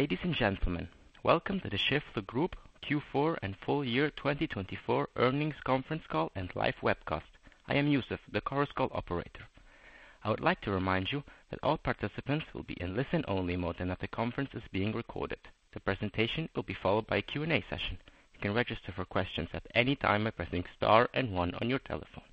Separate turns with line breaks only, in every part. Ladies and gentlemen, welcome to the Schaeffler Group Q4 and full year 2024 earnings conference call and live webcast. I am Yusuf, the conference call operator. I would like to remind you that all participants will be in listen-only mode and that the conference is being recorded. The presentation will be followed by a Q&A session. You can register for questions at any time by pressing star and one on your telephone.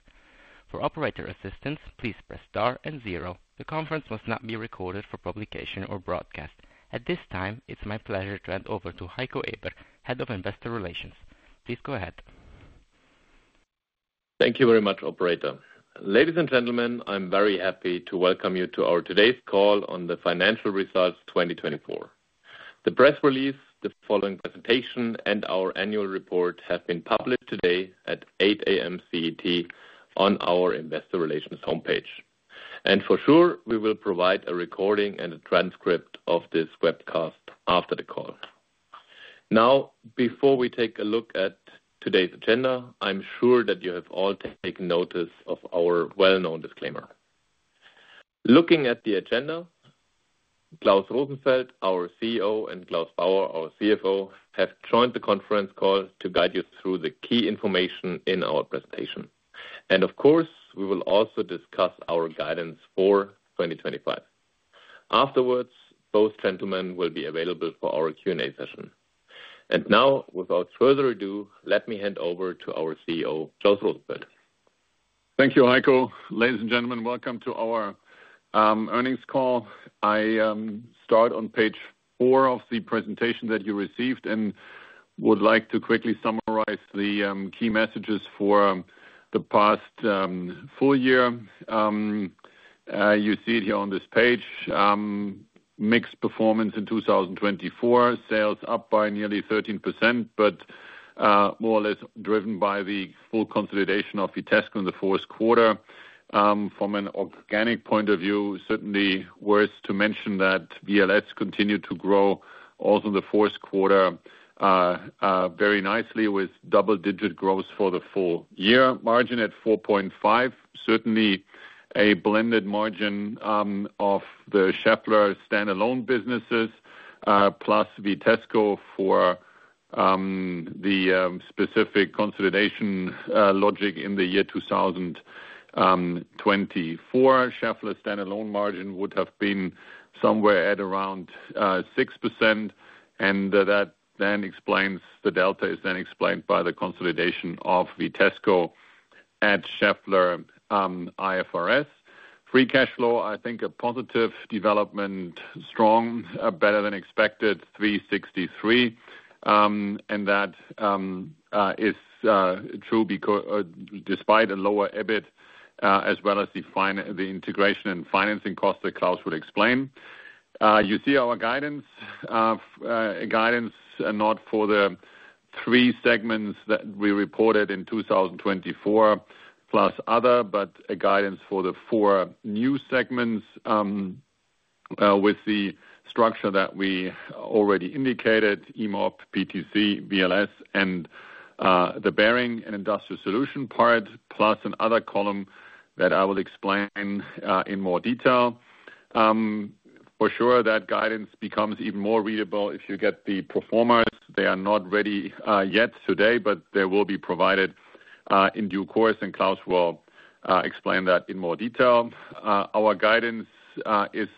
For operator assistance, please press star and zero. The conference must not be recorded for publication or broadcast. At this time, it's my pleasure to hand over to Heiko Eber, Head of Investor Relations. Please go ahead.
Thank you very much, Operator. Ladies and gentlemen, I'm very happy to welcome you to our today's call on the financial results 2024. The press release, the following presentation, and our annual report have been published today at 8:00 A.M. CET on our Investor Relations homepage, and for sure, we will provide a recording and a transcript of this webcast after the call. Now, before we take a look at today's agenda, I'm sure that you have all taken notice of our well-known disclaimer. Looking at the agenda, Klaus Rosenfeld, our CEO, and Claus Bauer, our CFO, have joined the conference call to guide you through the key information in our presentation, and of course, we will also discuss our guidance for 2025. Afterwards, both gentlemen will be available for our Q&A session, and now, without further ado, let me hand over to our CEO, Klaus Rosenfeld.
Thank you, Heiko. Ladies and gentlemen, welcome to our earnings call. I start on page four of the presentation that you received and would like to quickly summarize the key messages for the past full year. You see it here on this page. Mixed performance in 2024, sales up by nearly 13%, but more or less driven by the full consolidation of Vitesco in the fourth quarter. From an organic point of view, certainly worth to mention that VLS continued to grow also in the fourth quarter very nicely with double-digit growth for the full year, margin at 4.5%. Certainly a blended margin of the Schaeffler standalone businesses plus Vitesco for the specific consolidation logic in the year 2024. Schaeffler standalone margin would have been somewhere at around 6%, and that then explains the delta, which is explained by the consolidation of Vitesco at Schaeffler IFRS. Free cash flow, I think, a positive development, strong, better than expected, 363, and that is true despite a lower EBIT as well as the integration and financing cost that Claus would explain. You see our guidance, guidance not for the three segments that we reported in 2024 plus other, but a guidance for the four new segments with the structure that we already indicated, E-Mob, PTC, VLS, and the Bearings and Industrial Solutions part, plus another column that I will explain in more detail. For sure, that guidance becomes even more readable if you get the pro forma. They are not ready yet today, but they will be provided in due course, and Claus will explain that in more detail. Our guidance is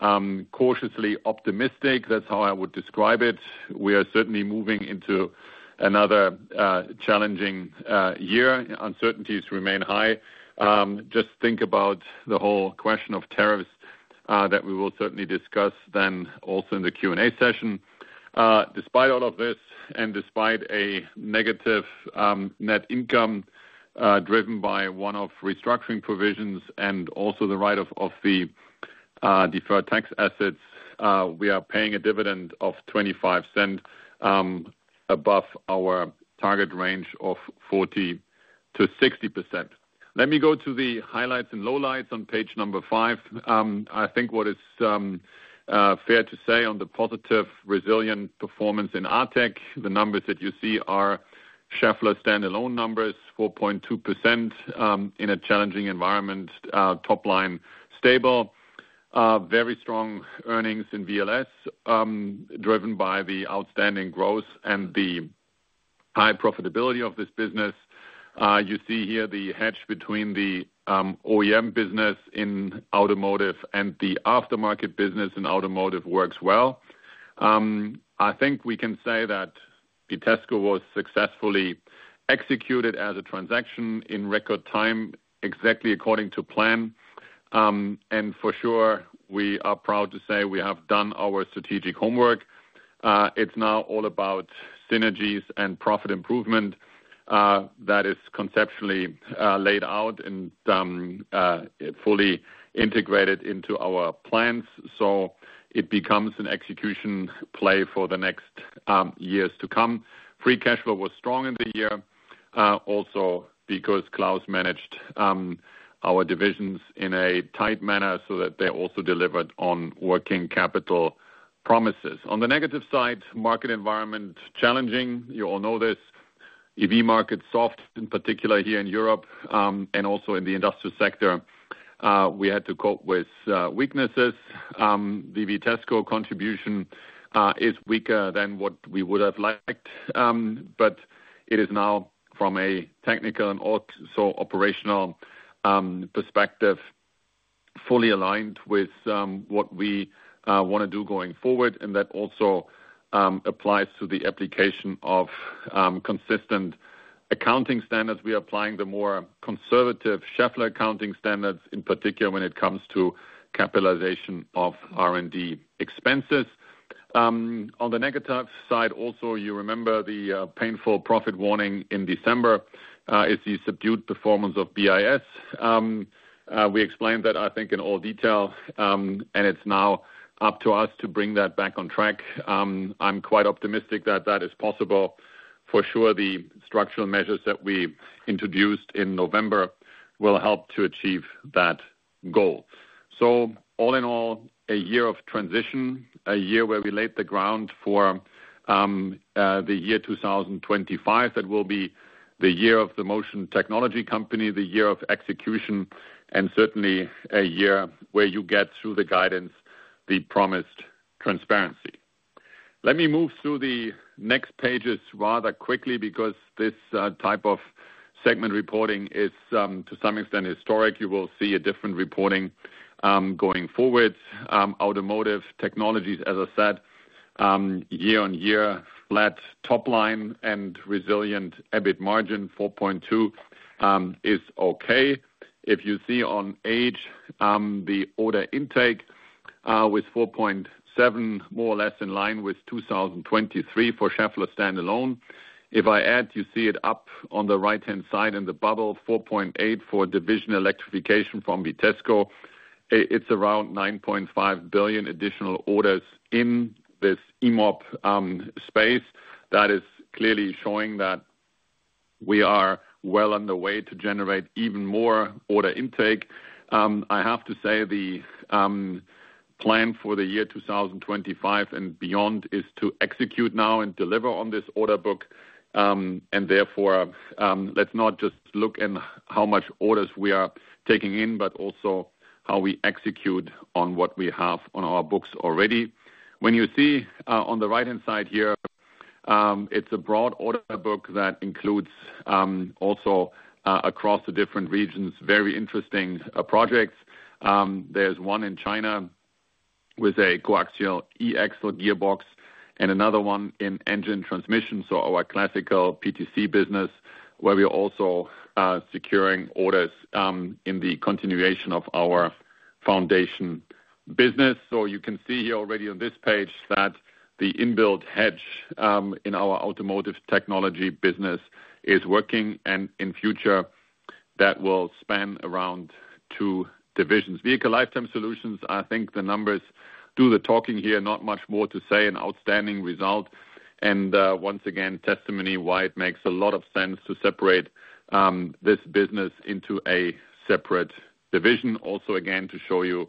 cautiously optimistic. That's how I would describe it. We are certainly moving into another challenging year. Uncertainties remain high. Just think about the whole question of tariffs that we will certainly discuss then also in the Q&A session. Despite all of this and despite a negative net income driven by one-off restructuring provisions and also the write-off of the deferred tax assets, we are paying a dividend of 0.25 above our target range of 40%-60%. Let me go to the highlights and lowlights on page number five. I think what is fair to say on the positive resilient performance in ATEC. The numbers that you see are Schaeffler standalone numbers, 4.2% in a challenging environment, top line stable, very strong earnings in VLS driven by the outstanding growth and the high profitability of this business. You see here the hedge between the OEM business in automotive and the aftermarket business in automotive works well. I think we can say that Vitesco was successfully executed as a transaction in record time, exactly according to plan. And for sure, we are proud to say we have done our strategic homework. It's now all about synergies and profit improvement that is conceptually laid out and fully integrated into our plans. So it becomes an execution play for the next years to come. Free cash flow was strong in the year, also because Claus managed our divisions in a tight manner so that they also delivered on working capital promises. On the negative side, market environment challenging. You all know this. EV market soft in particular here in Europe and also in the industrial sector. We had to cope with weaknesses. The Vitesco contribution is weaker than what we would have liked, but it is now from a technical and also operational perspective fully aligned with what we want to do going forward. That also applies to the application of consistent accounting standards. We are applying the more conservative Schaeffler accounting standards, in particular when it comes to capitalization of R&D expenses. On the negative side also, you remember the painful profit warning in December is the subdued performance of BIS. We explained that, I think, in all detail, and it's now up to us to bring that back on track. I'm quite optimistic that that is possible. For sure, the structural measures that we introduced in November will help to achieve that goal. All in all, a year of transition, a year where we laid the ground for the year 2025 that will be the year of the Motion Technology Company, the year of execution, and certainly a year where you get through the guidance, the promised transparency. Let me move through the next pages rather quickly because this type of segment reporting is to some extent historic. You will see a different reporting going forward. Automotive Technologies, as I said, year-on-year, flat top line and resilient EBIT margin, 4.2% is okay. If you see on page, the order intake was 4.7 billion, more or less in line with 2023 for Schaeffler standalone. If I add, you see it up on the right-hand side in the bubble, 4.8 billion for Division Electrification from Vitesco. It's around 9.5 billion additional orders in this E-Mob space. That is clearly showing that we are well on the way to generate even more order intake. I have to say the plan for the year 2025 and beyond is to execute now and deliver on this order book, and therefore, let's not just look at how much orders we are taking in, but also how we execute on what we have on our books already. When you see on the right-hand side here, it's a broad order book that includes also across the different regions, very interesting projects. There's one in China with a coaxial E-Axle gearbox and another one in engine transmission. So our classical PTC business, where we are also securing orders in the continuation of our foundation business, so you can see here already on this page that the inbuilt hedge in our automotive technology business is working. In future, that will span around two divisions. Vehicle Lifetime Solutions, I think the numbers do the talking here. Not much more to say, an outstanding result. And once again, testimony why it makes a lot of sense to separate this business into a separate division. Also again, to show you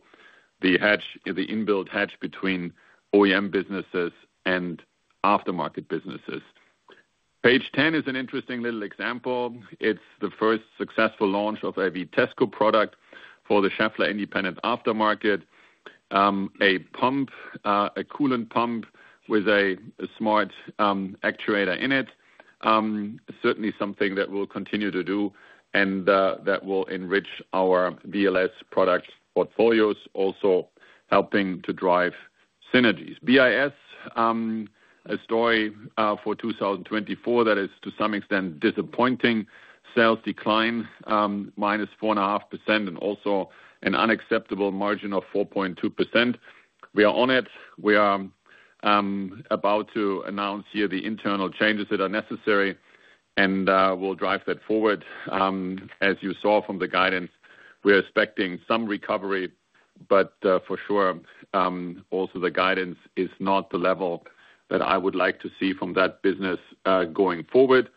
the hedge, the inbuilt hedge between OEM businesses and aftermarket businesses. Page 10 is an interesting little example. It's the first successful launch of a Vitesco product for the Schaeffler independent aftermarket, a pump, a coolant pump with a smart actuator in it. Certainly something that we'll continue to do and that will enrich our VLS product portfolios, also helping to drive synergies. BIS, a story for 2024 that is to some extent disappointing. Sales decline, minus 4.5% and also an unacceptable margin of 4.2%. We are on it. We are about to announce here the internal changes that are necessary and will drive that forward. As you saw from the guidance, we are expecting some recovery, but for sure, also the guidance is not the level that I would like to see from that business going forward.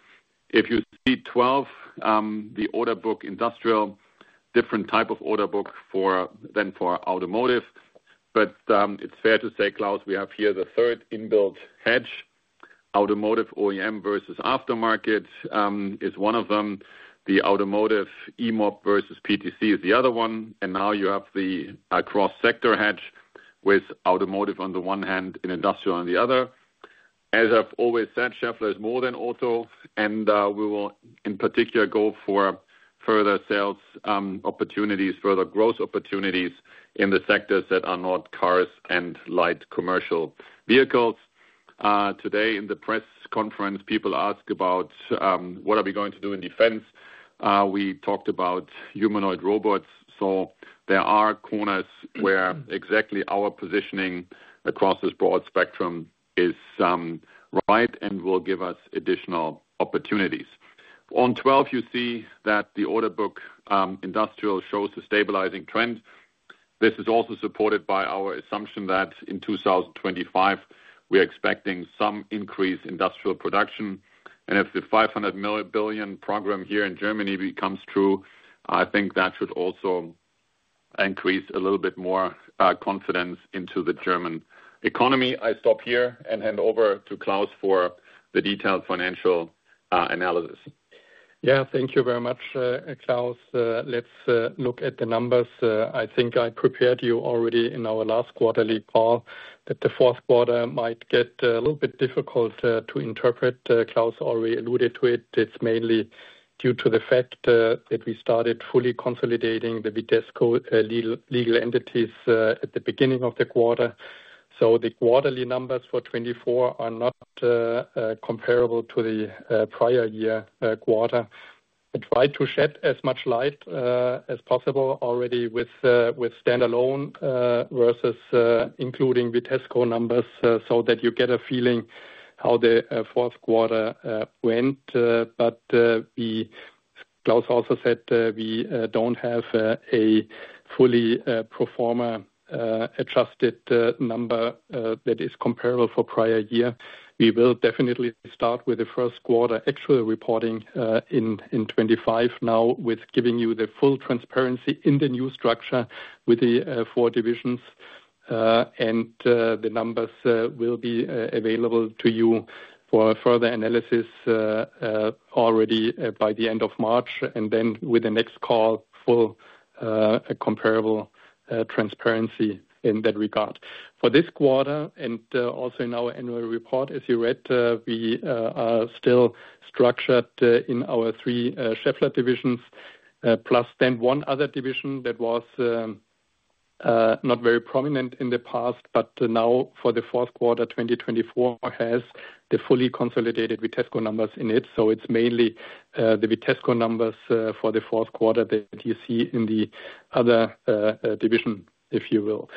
If you see 12, the order book industrial, different type of order book than for automotive. But it's fair to say, Claus, we have here the third inbuilt hedge. Automotive OEM versus aftermarket is one of them. The automotive E-Mob versus PTC is the other one. And now you have the cross-sector hedge with automotive on the one hand, industrial on the other. As I've always said, Schaeffler is more than auto. And we will in particular go for further sales opportunities, further growth opportunities in the sectors that are not cars and light commercial vehicles. Today in the press conference, people asked about what are we going to do in defense. We talked about humanoid robots, so there are corners where exactly our positioning across this broad spectrum is right and will give us additional opportunities. On 12, you see that the order book industrial shows a stabilizing trend. This is also supported by our assumption that in 2025, we are expecting some increase in industrial production, and if the 500 million program here in Germany becomes true, I think that should also increase a little bit more confidence into the German economy. I stop here and hand over to Claus for the detailed financial analysis.
Yeah, thank you very much, Klaus. Let's look at the numbers. I think I prepared you already in our last quarterly call that the fourth quarter might get a little bit difficult to interpret. Klaus already alluded to it. It's mainly due to the fact that we started fully consolidating the Vitesco legal entities at the beginning of the quarter. So the quarterly numbers for 2024 are not comparable to the prior year quarter. I tried to shed as much light as possible already with standalone versus including Vitesco numbers so that you get a feeling how the fourth quarter went. But Klaus also said we don't have a fully performance adjusted number that is comparable for prior year. We will definitely start with the first quarter actual reporting in 2025 now with giving you the full transparency in the new structure with the four divisions. The numbers will be available to you for further analysis already by the end of March, and then with the next call, full comparable transparency in that regard. For this quarter and also in our annual report, as you read, we are still structured in our three Schaeffler divisions, plus then one other division that was not very prominent in the past, but now for the fourth quarter 2024 has the fully consolidated Vitesco numbers in it. It's mainly the Vitesco numbers for the fourth quarter that you see in the other division, if you will.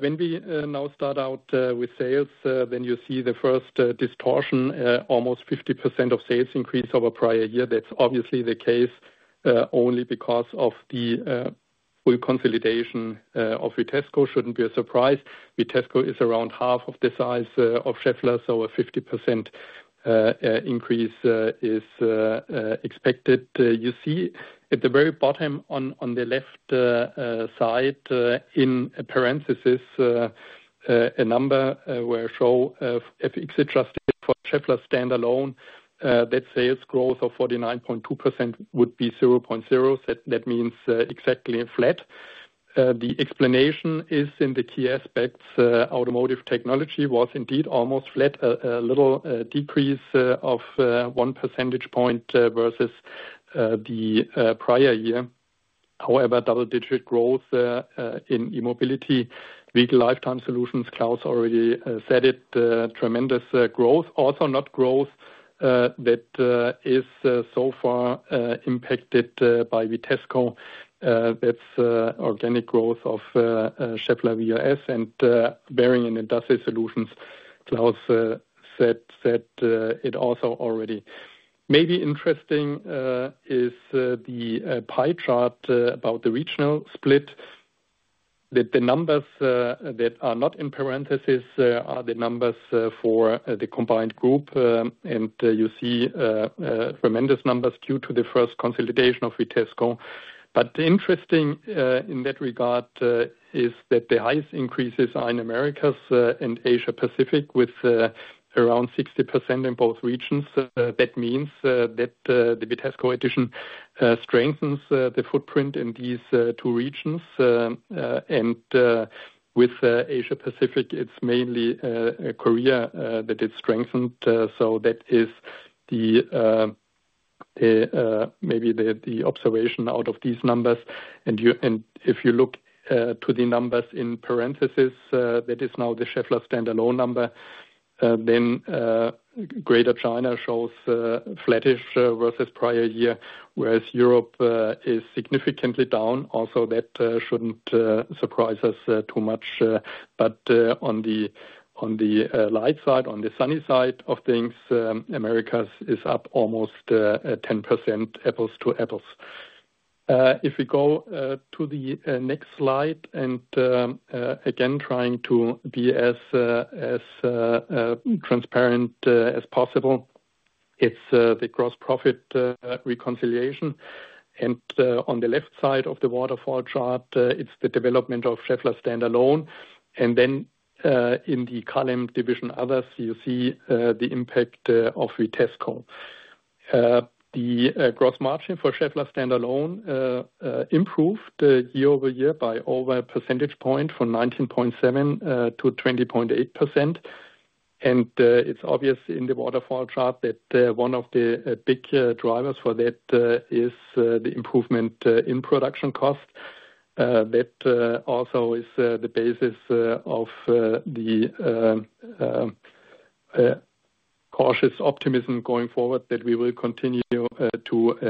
When we now start out with sales, then you see the first distortion, almost 50% sales increase over prior year. That's obviously the case only because of the full consolidation of Vitesco. It shouldn't be a surprise. Vitesco is around half of the size of Schaeffler, so a 50% increase is expected. You see at the very bottom on the left side in parentheses, a number where it shows if it's adjusted for Schaeffler standalone, that sales growth of 49.2% would be 0.0%. That means exactly flat. The explanation is in the key aspects. Automotive Technologies was indeed almost flat, a little decrease of one percentage point versus the prior year. However, double-digit growth in E-Mobility, Vehicle Lifetime Solutions, Klaus already said it, tremendous growth. Also not growth that is so far impacted by Vitesco, that's organic growth of Schaeffler VLS and Bearings and Industrial Solutions, Klaus said it also already. Maybe interesting is the pie chart about the regional split. The numbers that are not in parentheses are the numbers for the combined group, and you see tremendous numbers due to the first consolidation of Vitesco. But interesting in that regard is that the highest increases are in Americas and Asia-Pacific with around 60% in both regions. That means that the Vitesco acquisition strengthens the footprint in these two regions. And with Asia-Pacific, it's mainly Korea that it strengthened. So that is maybe the observation out of these numbers. And if you look to the numbers in parentheses, that is now the Schaeffler standalone number. Then Greater China shows flattish versus prior year, whereas Europe is significantly down. Also that shouldn't surprise us too much. But on the light side, on the sunny side of things, America is up almost 10% apples to apples. If we go to the next slide and again trying to be as transparent as possible, it's the gross profit reconciliation. And on the left side of the waterfall chart, it's the development of Schaeffler standalone. And then in the column Division Others, you see the impact of Vitesco. The gross margin for Schaeffler standalone improved year-over-year by over a percentage point from 19.7%-20.8%. And it's obvious in the waterfall chart that one of the big drivers for that is the improvement in production cost. That also is the basis of the cautious optimism going forward that we will continue to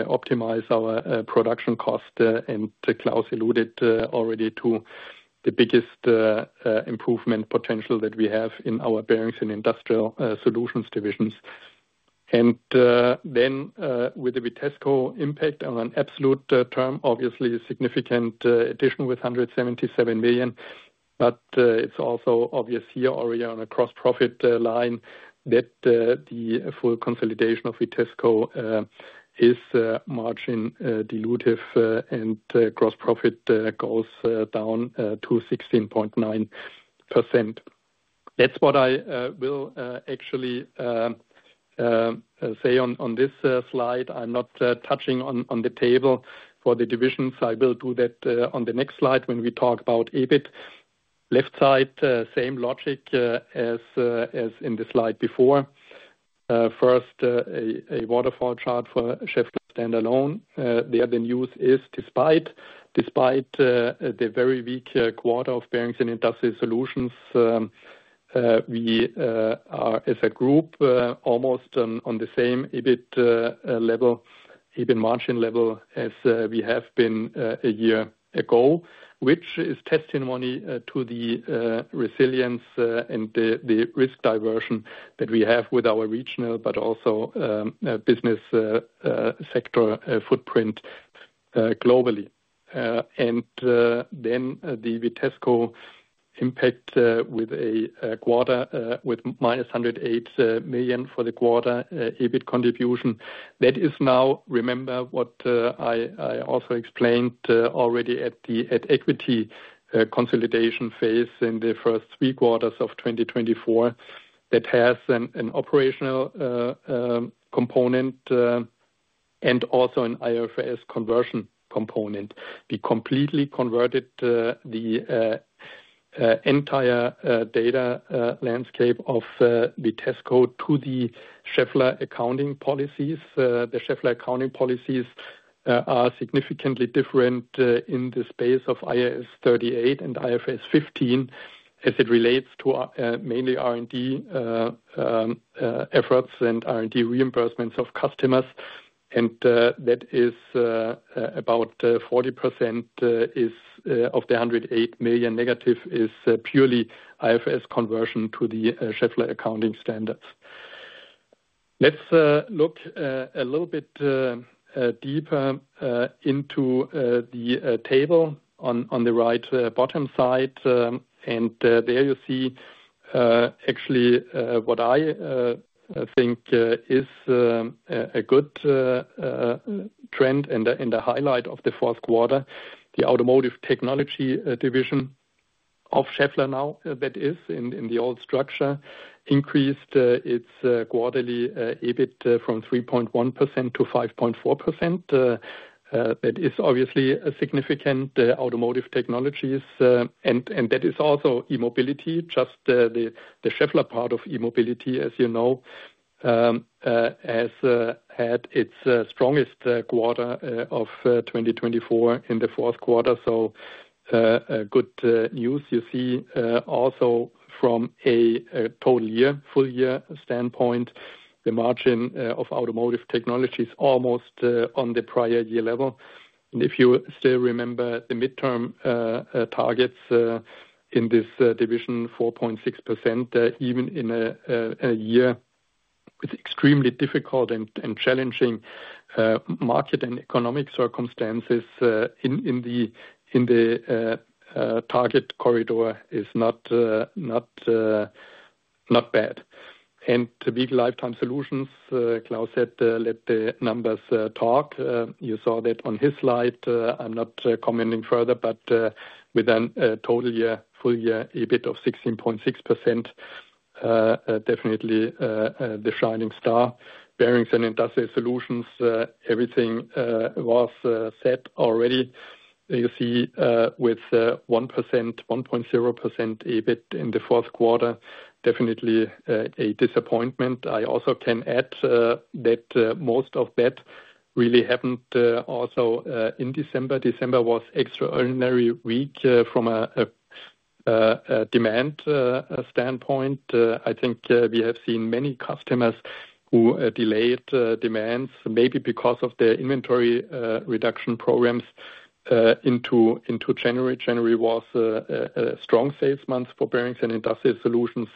optimize our production cost. And Klaus alluded already to the biggest improvement potential that we have in our bearings and industrial solutions divisions. And then with the Vitesco impact in absolute terms, obviously significant addition with 177 million. But it's also obvious here already on a gross-profit line that the full consolidation of Vitesco is margin dilutive and gross profit goes down to 16.9%. That's what I will actually say on this slide. I'm not touching on the table for the divisions. I will do that on the next slide when we talk about EBIT. Left side, same logic as in the slide before. First, a waterfall chart for Schaeffler standalone. There the news is despite the very weak quarter of bearings and industrial solutions, we are as a group almost on the same EBIT level, EBIT margin level as we have been a year ago, which is testimony to the resilience and the risk diversion that we have with our regional, but also business sector footprint globally. And then the Vitesco impact with a quarter with -108 million for the quarter EBIT contribution. That is now, remember what I also explained already at the equity consolidation phase in the first three quarters of 2024, that has an operational component and also an IFRS conversion component. We completely converted the entire data landscape of Vitesco to the Schaeffler accounting policies. The Schaeffler accounting policies are significantly different in the space of IAS 38 and IFRS 15 as it relates to mainly R&D efforts and R&D reimbursements of customers, and that is about 40% of the 108 million negative is purely IFRS conversion to the Schaeffler accounting standards. Let's look a little bit deeper into the table on the right bottom side, and there you see actually what I think is a good trend and the highlight of the fourth quarter, the automotive technology division of Schaeffler now that is in the old structure increased its quarterly EBIT from 3.1% to 5.4%. That is obviously a significant automotive technologies, and that is also E-Mobility, just the Schaeffler part of E-Mobility, as you know, has had its strongest quarter of 2024 in the fourth quarter. So good news. You see also from a total year, full year standpoint, the margin of automotive technology is almost on the prior year level. And if you still remember the midterm targets in this division, 4.6% even in a year with extremely difficult and challenging market and economic circumstances in the target corridor is not bad. And vehicle lifetime solutions, Klaus said, let the numbers talk. You saw that on his slide. I'm not commenting further, but with a total year, full year EBIT of 16.6%, definitely the shining star. Bearings and industrial solutions, everything was set already. You see with 1%, 1.0% EBIT in the fourth quarter, definitely a disappointment. I also can add that most of that really happened also in December. December was extraordinarily weak from a demand standpoint. I think we have seen many customers who delayed demands maybe because of the inventory reduction programs into January. January was a strong sales month for bearings and industrial solutions,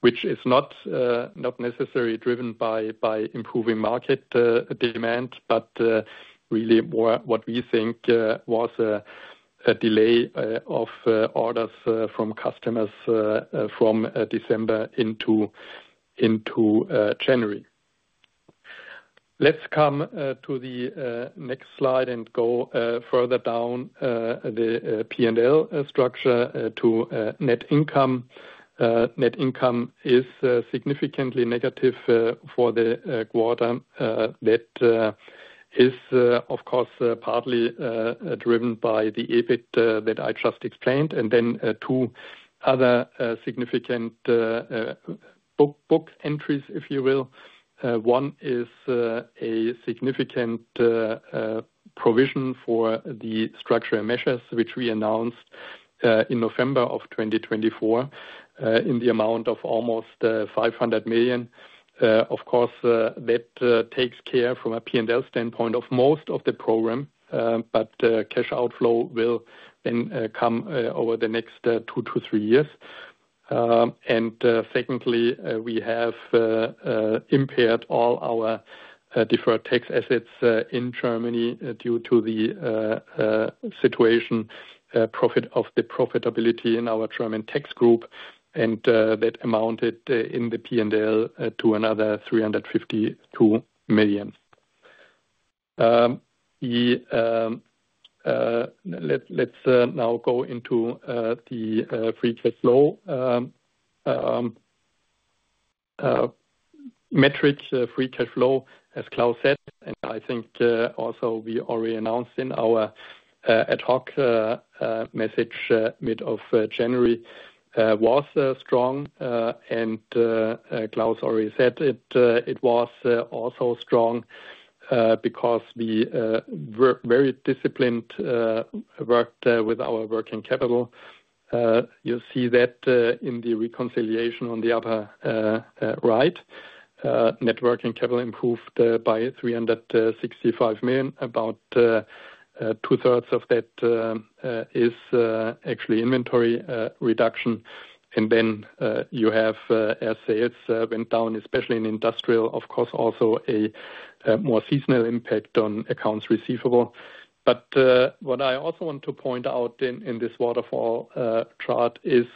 which is not necessarily driven by improving market demand, but really what we think was a delay of orders from customers from December into January. Let's come to the next slide and go further down the P&L structure to net income. Net income is significantly negative for the quarter. That is, of course, partly driven by the EBIT that I just explained, and then two other significant book entries, if you will. One is a significant provision for the structural measures, which we announced in November of 2024 in the amount of almost 500 million. Of course, that takes care from a P&L standpoint of most of the program, but cash outflow will then come over the next two to three years. And secondly, we have impaired all our deferred tax assets in Germany due to the loss in profitability in our German tax group. And that amounted in the P&L to another 352 million. Let's now go into the free cash flow metrics, free cash flow, as Klaus said. And I think also we already announced in our ad hoc message mid-January was strong. And Klaus already said it was also strong because we were very disciplined, worked with our working capital. You see that in the reconciliation on the upper right, net working capital improved by 365 million. About two-thirds of that is actually inventory reduction. And then you have as sales went down, especially in industrial, of course, also a more seasonal impact on accounts receivable. But what I also want to point out in this waterfall chart is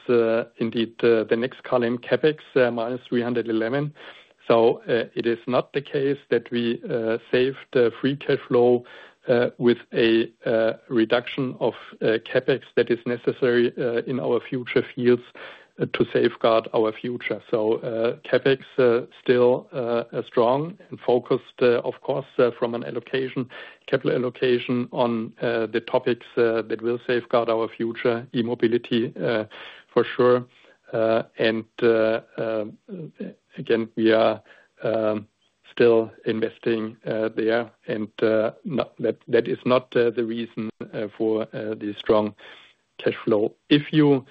indeed the next column, CapEx, -311 million. So it is not the case that we saved free cash flow with a reduction of CapEx that is necessary in our future fields to safeguard our future. So CapEx still strong and focused, of course, from an allocation, capital allocation on the topics that will safeguard our future, E-Mobility for sure. And again, we are still investing there. And that is not the reason for the strong cash flow. If you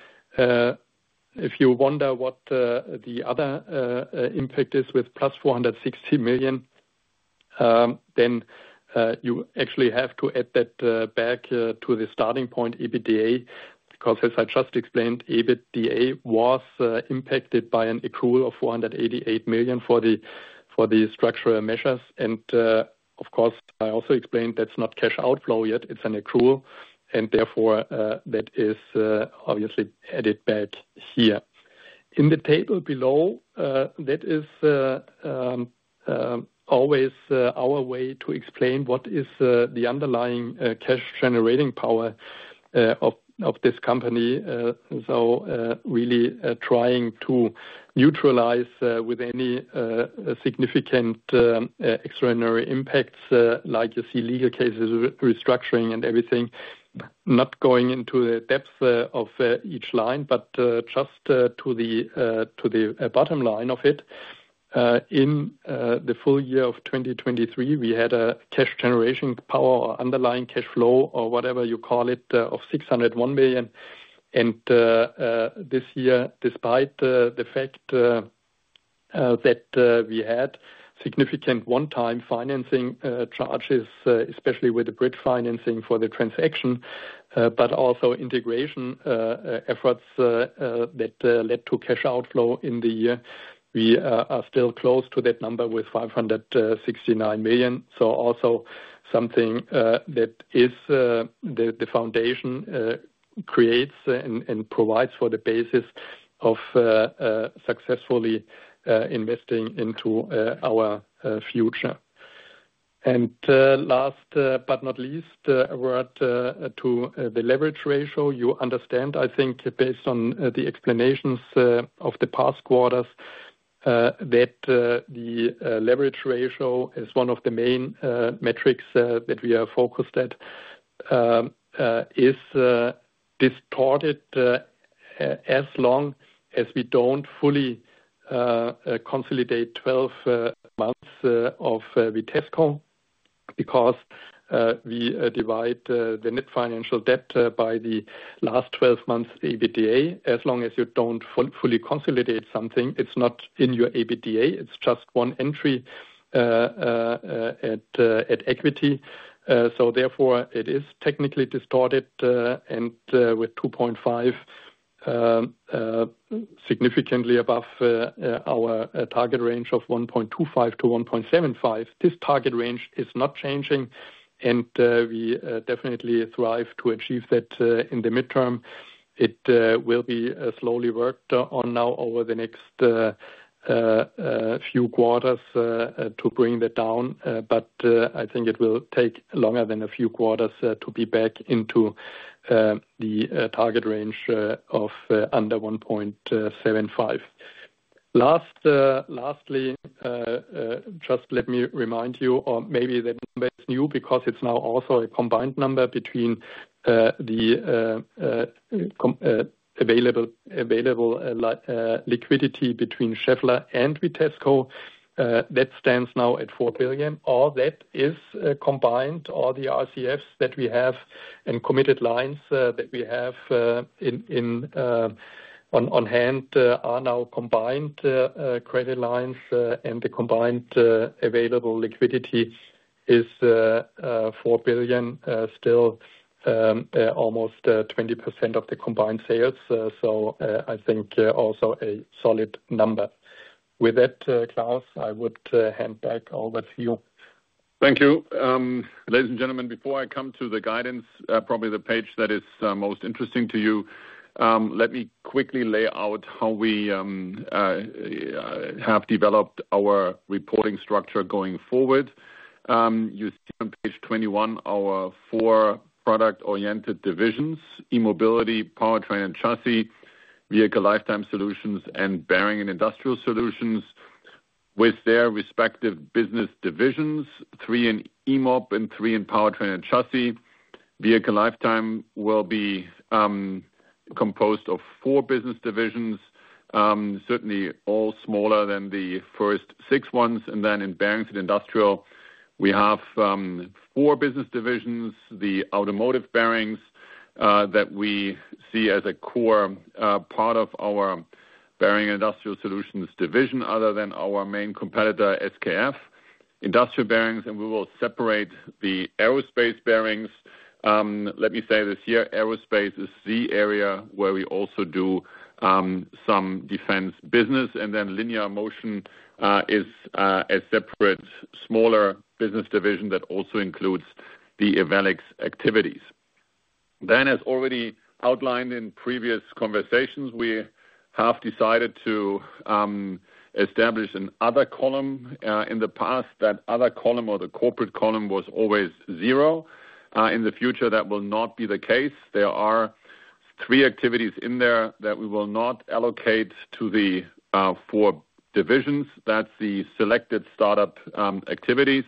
wonder what the other impact is with plus 460 million, then you actually have to add that back to the starting point, EBITDA, because as I just explained, EBITDA was impacted by an accrual of 488 million for the structural measures. And of course, I also explained that's not cash outflow yet. It's an accrual. And therefore, that is obviously added back here. In the table below, that is always our way to explain what is the underlying cash generating power of this company. So really trying to neutralize with any significant extraordinary impacts like you see legal cases, restructuring and everything. Not going into the depth of each line, but just to the bottom line of it. In the full year of 2023, we had a cash generation power or underlying cash flow or whatever you call it of 601 million. And this year, despite the fact that we had significant one-time financing charges, especially with the bridge financing for the transaction, but also integration efforts that led to cash outflow in the year, we are still close to that number with 569 million. So also something that is the foundation creates and provides for the basis of successfully investing into our future. Last but not least, a word to the leverage ratio. You understand, I think, based on the explanations of the past quarters, that the leverage ratio is one of the main metrics that we are focused at. It's distorted as long as we don't fully consolidate 12 months of Vitesco because we divide the net financial debt by the last 12 months EBITDA. As long as you don't fully consolidate something, it's not in your EBITDA. It's just one entry at equity. So therefore, it is technically distorted and with 2.5 significantly above our target range of 1.25-1.75. This target range is not changing. We definitely strive to achieve that in the midterm. It will be slowly worked on now over the next few quarters to bring that down. But I think it will take longer than a few quarters to be back into the target range of under 1.75. Lastly, just let me remind you, or maybe that number is new because it's now also a combined number between the available liquidity between Schaeffler and Vitesco that stands now at 4 billion. All that is combined, all the RCFs that we have and committed lines that we have on hand are now combined credit lines. And the combined available liquidity is 4 billion, still almost 20% of the combined sales. So I think also a solid number. With that, Klaus, I would hand back over to you.
Thank you. Ladies and gentlemen, before I come to the guidance, probably the page that is most interesting to you, let me quickly lay out how we have developed our reporting structure going forward. You see on page 21 our four product-oriented divisions: E-Mobility, Powertrain and Chassis, Vehicle Lifetime Solutions, and Bearings and Industrial Solutions with their respective business divisions, three in E-Mob and three in Powertrain and Chassis. Vehicle Lifetime will be composed of four business divisions, certainly all smaller than the first six ones, and then in Bearings and Industrial, we have four business divisions: the Automotive Bearings that we see as a core part of our Bearings and Industrial Solutions division, other than our main competitor, SKF, Industrial Bearings, and we will separate the Aerospace Bearings. Let me say this here, Aerospace is the area where we also do some defense business, and then Linear Motion is a separate smaller business division that also includes the Ewellix activities, then, as already outlined in previous conversations, we have decided to establish another column. In the past, that other column or the corporate column was always zero. In the future, that will not be the case. There are three activities in there that we will not allocate to the four divisions. That's the selected startup activities.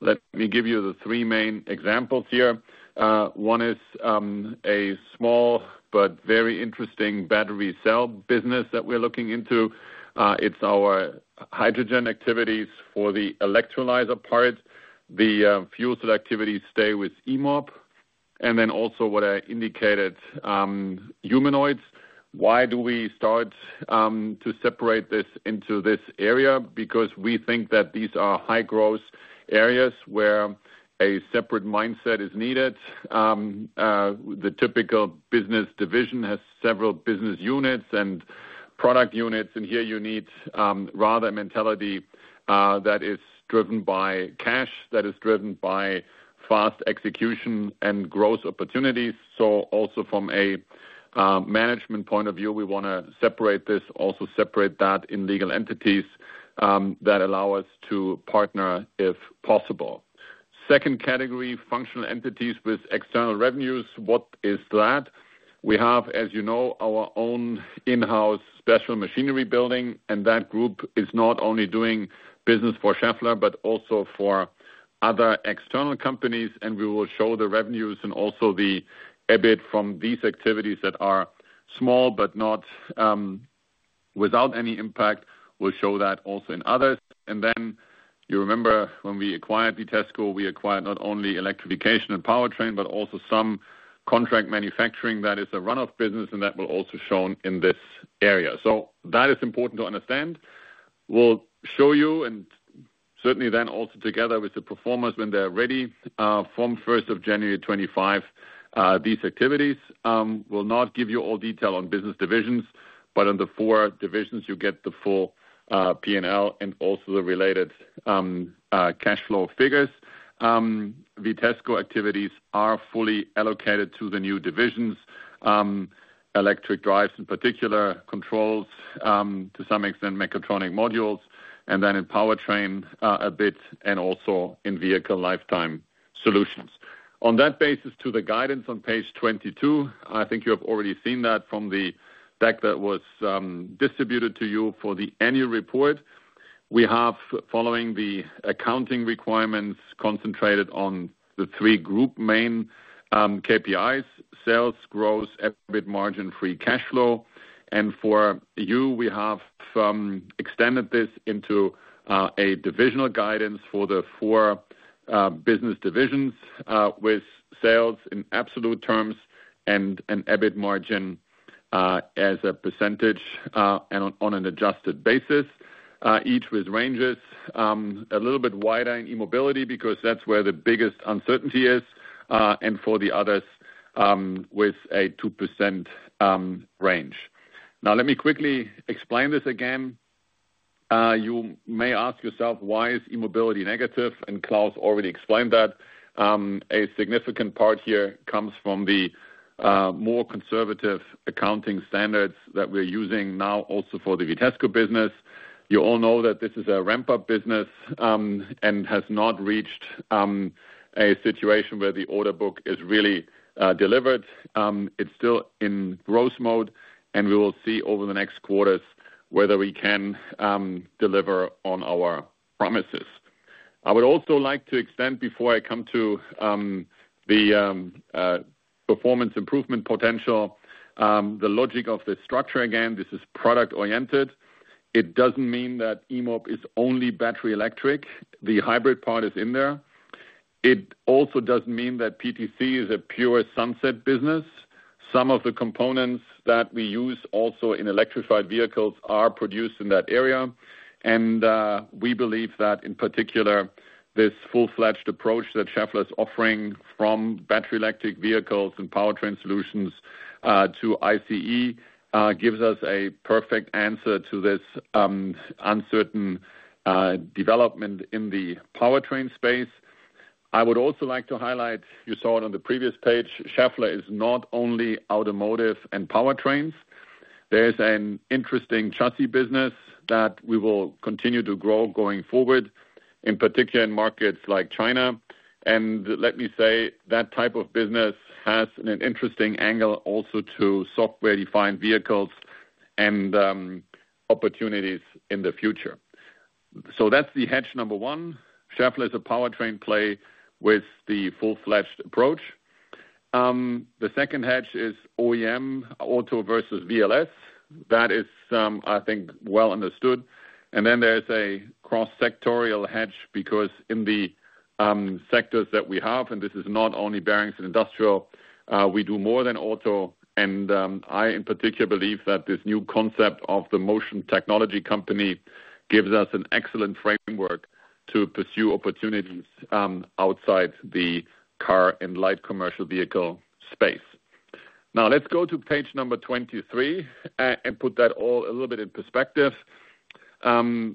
Let me give you the three main examples here. One is a small but very interesting battery cell business that we're looking into. It's our hydrogen activities for the electrolyzer part. The fuel cell activities stay with E-Mob. And then also what I indicated, humanoids. Why do we start to separate this into this area? Because we think that these are high-growth areas where a separate mindset is needed. The typical business division has several business units and product units. And here you need rather a mentality that is driven by cash, that is driven by fast execution and growth opportunities. So also from a management point of view, we want to separate this, also separate that in legal entities that allow us to partner if possible. Second category, functional entities with external revenues. What is that? We have, as you know, our own in-house special machinery building. And that group is not only doing business for Schaeffler, but also for other external companies. And we will show the revenues and also the EBIT from these activities that are small, but without any impact, we'll show that also in others. And then you remember when we acquired Vitesco, we acquired not only electrification and powertrain, but also some contract manufacturing that is a runoff business, and that will also be shown in this area. So that is important to understand. We'll show you, and certainly then also together with the performers when they're ready from 1st of January 2025, these activities. We'll not give you all detail on business divisions, but on the four divisions, you get the full P&L and also the related cash flow figures. Vitesco activities are fully allocated to the new divisions, electric drives in particular, controls, to some extent mechatronic modules, and then in Powertrain a bit, and also in Vehicle Lifetime Solutions. On that basis, to the guidance on page 22, I think you have already seen that from the deck that was distributed to you for the annual report. We have, following the accounting requirements, concentrated on the three group main KPIs: sales, growth, EBIT margin, free cash flow. And for you, we have extended this into a divisional guidance for the four business divisions with sales in absolute terms and an EBIT margin as a percentage and on an adjusted basis, each with ranges a little bit wider in E-Mobility because that's where the biggest uncertainty is. And for the others with a 2% range. Now, let me quickly explain this again. You may ask yourself, why is E-Mobility negative? And Claus already explained that. A significant part here comes from the more conservative accounting standards that we're using now also for the Vitesco business. You all know that this is a ramp-up business and has not reached a situation where the order book is really delivered. It's still in growth mode. And we will see over the next quarters whether we can deliver on our promises. I would also like to extend, before I come to the performance improvement potential, the logic of the structure. Again, this is product-oriented. It doesn't mean that E-Mob is only battery electric. The hybrid part is in there. It also doesn't mean that PTC is a pure sunset business. Some of the components that we use also in electrified vehicles are produced in that area. And we believe that in particular, this full-fledged approach that Schaeffler is offering from battery electric vehicles and powertrain solutions to ICE gives us a perfect answer to this uncertain development in the powertrain space. I would also like to highlight, you saw it on the previous page, Schaeffler is not only automotive and powertrains. There is an interesting chassis business that we will continue to grow going forward, in particular in markets like China. Let me say that type of business has an interesting angle also to software-defined vehicles and opportunities in the future. That's the hedge number one. Schaeffler is a powertrain play with the full-fledged approach. The second hedge is OEM, auto versus VLS. That is, I think, well understood. There's a cross-sectoral hedge because in the sectors that we have, and this is not only bearings and industrial, we do more than auto. I, in particular, believe that this new concept of the Motion Technology Company gives us an excellent framework to pursue opportunities outside the car and light commercial vehicle space. Now, let's go to page number 23 and put that all a little bit in perspective.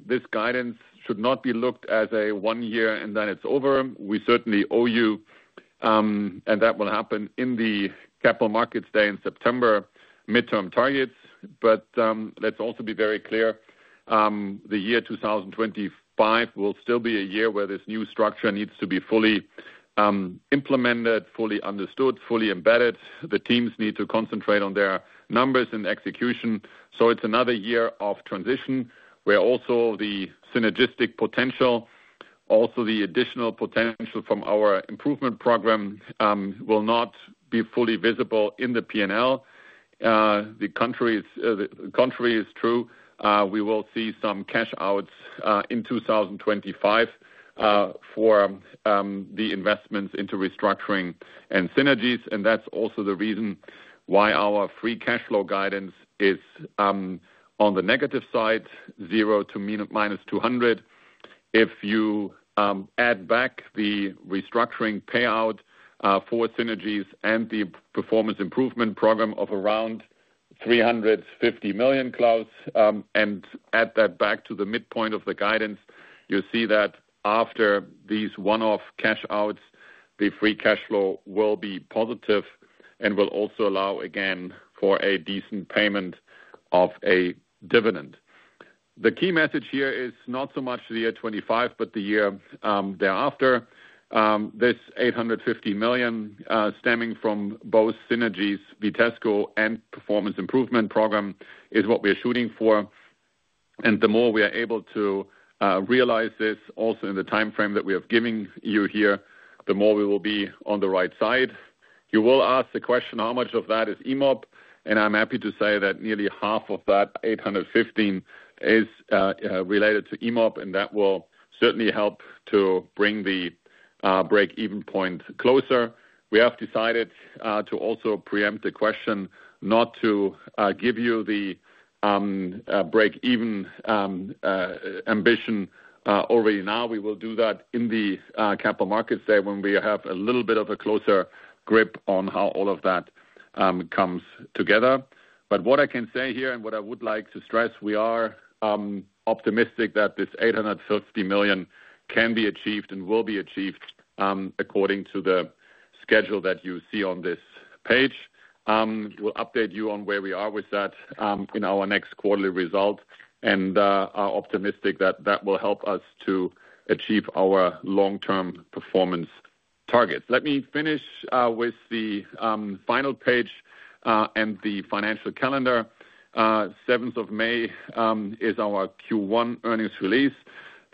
This guidance should not be looked at as a one year and then it's over. We certainly owe you, and that will happen in the capital markets day in September, midterm targets. But let's also be very clear. The year 2025 will still be a year where this new structure needs to be fully implemented, fully understood, fully embedded. The teams need to concentrate on their numbers and execution. It is another year of transition where also the synergistic potential, also the additional potential from our improvement program will not be fully visible in the P&L. The contrary is true. We will see some cash outs in 2025 for the investments into restructuring and synergies. That is also the reason why our free cash flow guidance is on the negative side, 0 to -200 million. If you add back the restructuring payout for synergies and the performance improvement program of around 350 million, Claus, and add that back to the midpoint of the guidance, you'll see that after these one-off cash outs, the free cash flow will be positive and will also allow again for a decent payment of a dividend. The key message here is not so much the year 25, but the year thereafter. This 850 million stemming from both synergies, Vitesco and performance improvement program is what we are shooting for. And the more we are able to realize this also in the timeframe that we are giving you here, the more we will be on the right side. You will ask the question, how much of that is E-Mob? I'm happy to say that nearly half of that 815 is related to E-Mob, and that will certainly help to bring the break-even point closer. We have decided to also preempt the question, not to give you the break-even ambition already now. We will do that in the Capital Markets Day when we have a little bit of a closer grip on how all of that comes together. But what I can say here and what I would like to stress, we are optimistic that this 850 million can be achieved and will be achieved according to the schedule that you see on this page. We'll update you on where we are with that in our next quarterly result. And I'm optimistic that that will help us to achieve our long-term performance targets. Let me finish with the final page and the financial calendar. 7th of May is our Q1 earnings release.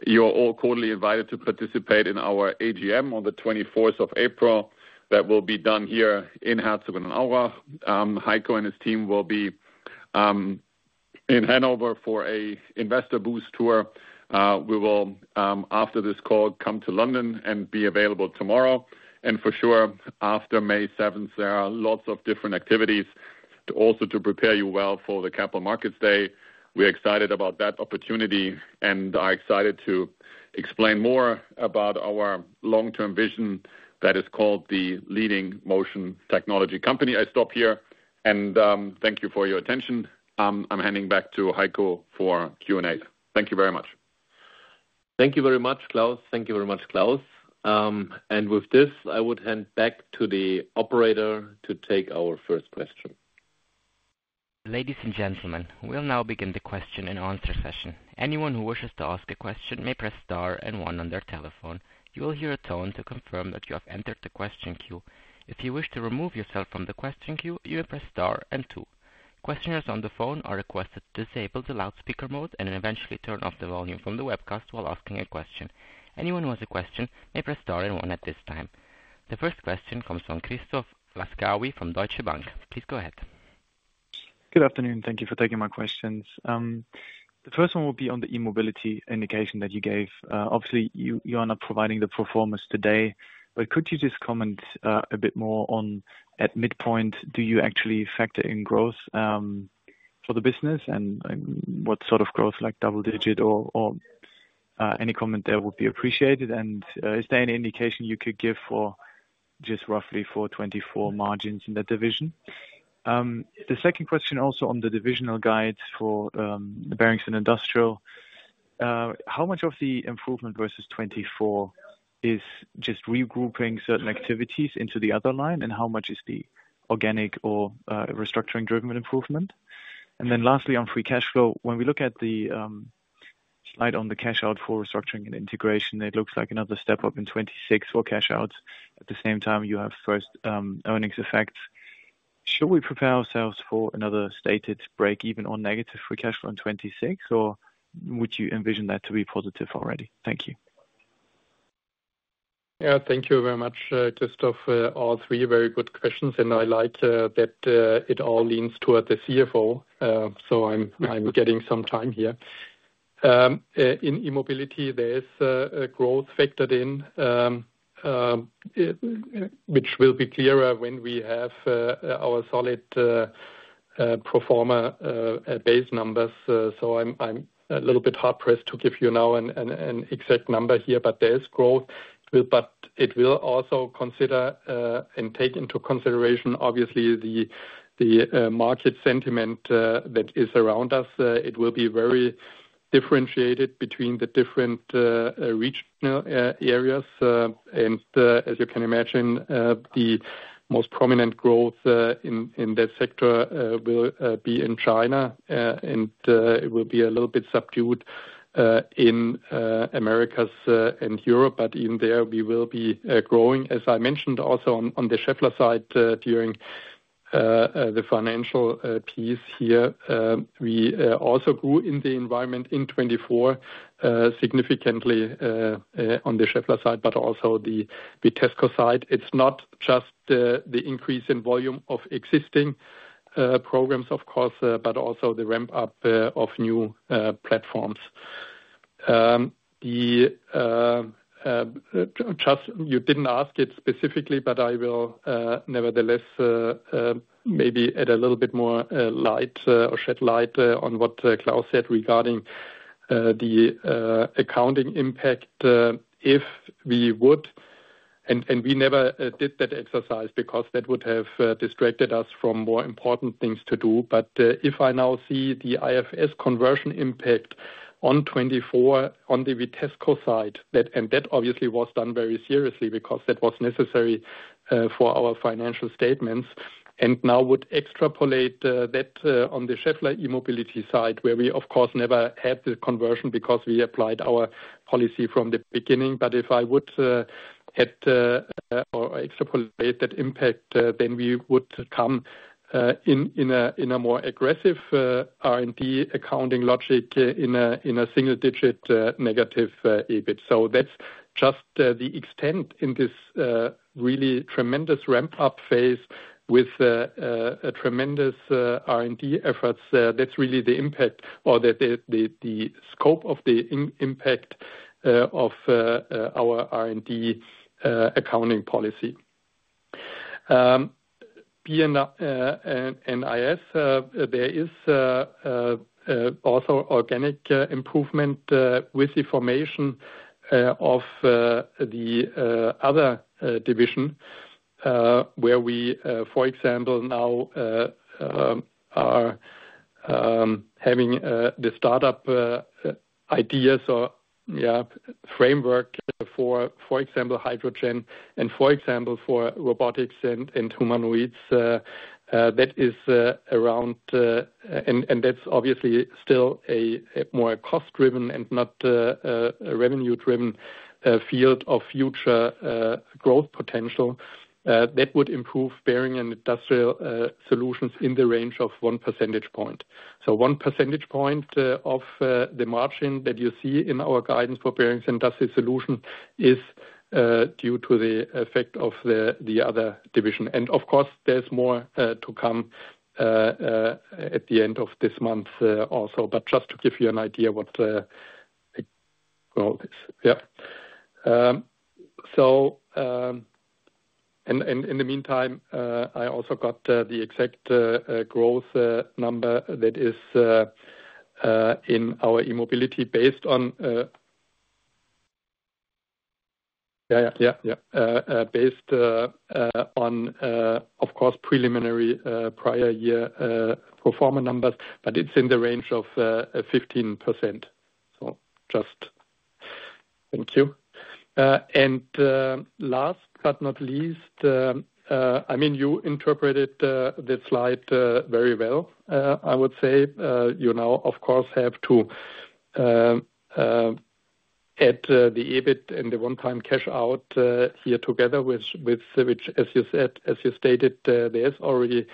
You are all cordially invited to participate in our AGM on the 24th of April. That will be done here in Herzogenaurach. Heiko and his team will be in Hannover for an investor roadshow. We will, after this call, come to London and be available tomorrow. And for sure, after May 7th, there are lots of different activities also to prepare you well for the capital markets day. We are excited about that opportunity and are excited to explain more about our long-term vision that is called the leading Motion Technology Company. I stop here and thank you for your attention. I am handing back to Heiko for Q&A. Thank you very much.
Thank you very much, Klaus. Thank you very much, Claus. And with this, I would hand back to the operator to take our first question.
Ladies and gentlemen, we'll now begin the question and answer session. Anyone who wishes to ask a question may press star and one on their telephone. You will hear a tone to confirm that you have entered the question queue. If you wish to remove yourself from the question queue, you may press star and two. Questioners on the phone are requested to disable the loudspeaker mode and eventually turn off the volume from the webcast while asking a question. Anyone who has a question may press star and one at this time. The first question comes from Christoph Laskawi from Deutsche Bank. Please go ahead.
Good afternoon. Thank you for taking my questions. The first one will be on the E-Mobility indication that you gave. Obviously, you are not providing the performance today, but could you just comment a bit more on at midpoint, do you actually factor in growth for the business and what sort of growth, like double digit or any comment there would be appreciated? And is there any indication you could give for just roughly for 2024 margins in that division? The second question also on the divisional guides for bearings and industrial, how much of the improvement versus 2024 is just regrouping certain activities into the other line? And how much is the organic or restructuring-driven improvement? And then lastly, on free cash flow, when we look at the slide on the cash out for restructuring and integration, it looks like another step up in 2026 for cash outs. At the same time, you have first earnings effects. Should we prepare ourselves for another stated break-even or negative free cash flow in 2026, or would you envision that to be positive already? Thank you.
Yeah, thank you very much, Christoph. All three very good questions, and I like that it all leans toward the CFO, so I'm getting some time here. In E-Mobility, there's a growth factored in, which will be clearer when we have our solid performer base numbers. So I'm a little bit hard-pressed to give you now an exact number here, but there's growth, but it will also consider and take into consideration, obviously, the market sentiment that is around us. It will be very differentiated between the different regional areas, and as you can imagine, the most prominent growth in that sector will be in China, and it will be a little bit subdued in America and Europe. But even there, we will be growing. As I mentioned also on the Schaeffler side during the financial piece here, we also grew in the environment in 2024 significantly on the Schaeffler side, but also the Vitesco side. It's not just the increase in volume of existing programs, of course, but also the ramp-up of new platforms. You didn't ask it specifically, but I will nevertheless maybe add a little bit more light or shed light on what Klaus said regarding the accounting impact if we would, and we never did that exercise because that would have distracted us from more important things to do. But if I now see the IFRS conversion impact on 2024 on the Vitesco side, and that obviously was done very seriously because that was necessary for our financial statements, and now would extrapolate that on the Schaeffler E-Mobility side, where we, of course, never had the conversion because we applied our policy from the beginning, but if I would extrapolate that impact, then we would come in a more aggressive R&D accounting logic in a single-digit negative EBIT, so that's just the extent in this really tremendous ramp-up phase with tremendous R&D efforts. That's really the impact or the scope of the impact of our R&D accounting policy, and I guess there is also organic improvement with the formation of the other division where we, for example, now are having the startup ideas or framework for example, hydrogen and, for example, for robotics and humanoids. That is around, and that's obviously still a more cost-driven and not revenue-driven field of future growth potential that would improve bearings and industrial solutions in the range of one percentage point, so one percentage point of the margin that you see in our guidance for bearings and industrial solutions is due to the effect of the other division. And of course, there's more to come at the end of this month also, but just to give you an idea what the growth is. Yeah. In the meantime, I also got the exact growth number that is in our E-Mobility based on, of course, preliminary prior year performance numbers, but it's in the range of 15%. Just thank you. And last but not least, I mean, you interpreted this slide very well, I would say. You know, of course, you have to add the EBIT and the one-time cash out here together with, as you said, as you stated, there's already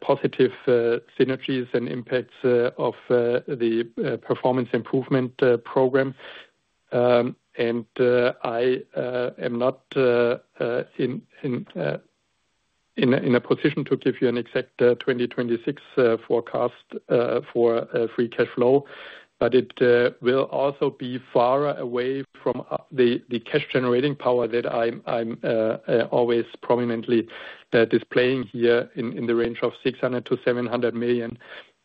positive synergies and impacts of the performance improvement program. I am not in a position to give you an exact 2026 forecast for free cash flow, but it will also be far away from the cash-generating power that I'm always prominently displaying here in the range of 600-700 million,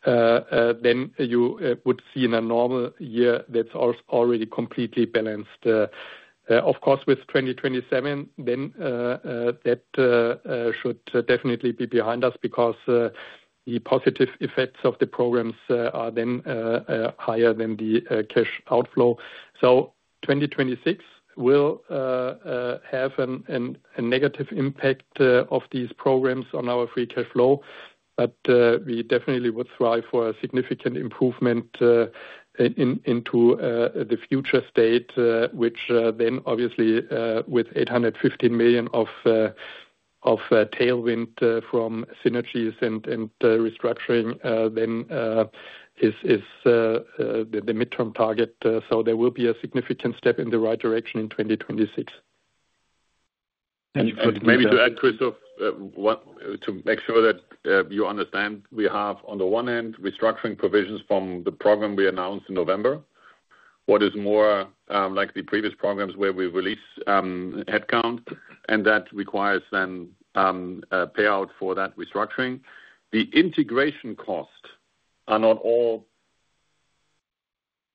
then you would see in a normal year that's already completely balanced. Of course, with 2027, that should definitely be behind us because the positive effects of the programs are then higher than the cash outflow. So, 2026 will have a negative impact of these programs on our free cash flow, but we definitely would strive for a significant improvement into the future state, which then obviously with 815 million of tailwind from synergies and restructuring then is the mid-term target. So there will be a significant step in the right direction in 2026.
And maybe to add, Christoph, to make sure that you understand, we have on the one hand, restructuring provisions from the program we announced in November, what is more like the previous programs where we release headcount, and that requires then payout for that restructuring. The integration costs are not all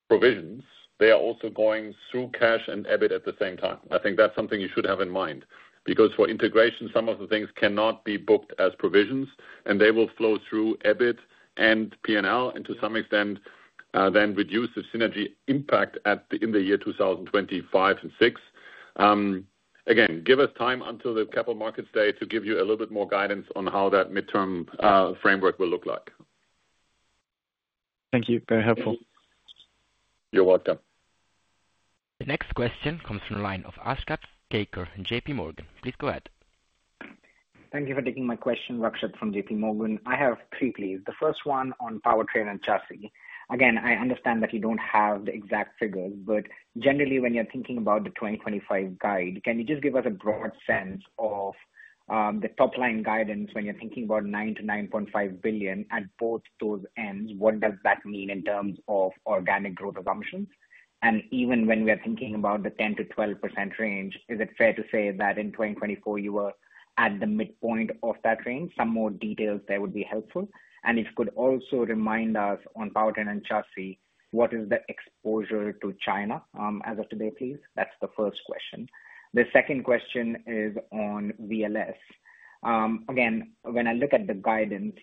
provisions. They are also going through cash and EBIT at the same time. I think that's something you should have in mind because for integration, some of the things cannot be booked as provisions, and they will flow through EBIT and P&L and to some extent then reduce the synergy impact in the year 2025 and 2026. Again, give us time until the capital markets day to give you a little bit more guidance on how that midterm framework will look like.
Thank you. Very helpful.
You're welcome.
The next question comes from the line of Akshat Kacker of JPMorgan. Please go ahead.
Thank you for taking my question, Akshat from JPMorgan. I have three, please. The first one on powertrain and chassis. Again, I understand that you don't have the exact figures, but generally, when you're thinking about the 2025 guide, can you just give us a broad sense of the top-line guidance when you're thinking about 9-9.5 billion at both those ends? What does that mean in terms of organic growth assumptions? And even when we are thinking about the 10%-12% range, is it fair to say that in 2024, you were at the midpoint of that range? Some more details there would be helpful. And if you could also remind us on powertrain and chassis, what is the exposure to China as of today, please? That's the first question. The second question is on VLS. Again, when I look at the guidance,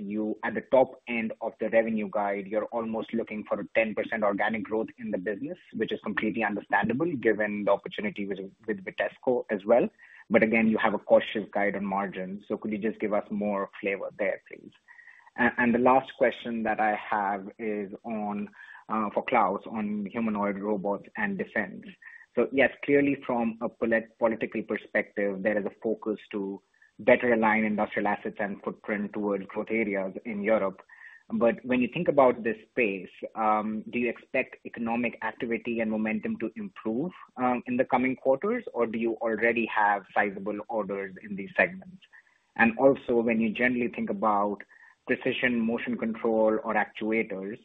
at the top end of the revenue guide, you're almost looking for a 10% organic growth in the business, which is completely understandable given the opportunity with Vitesco as well. But again, you have a cautious guide on margin. So could you just give us more flavor there, please? And the last question that I have is for Claus on humanoid robots and defense. So yes, clearly from a political perspective, there is a focus to better align industrial assets and footprint towards growth areas in Europe. But when you think about this space, do you expect economic activity and momentum to improve in the coming quarters, or do you already have sizable orders in these segments? Also, when you generally think about precision motion control or actuators,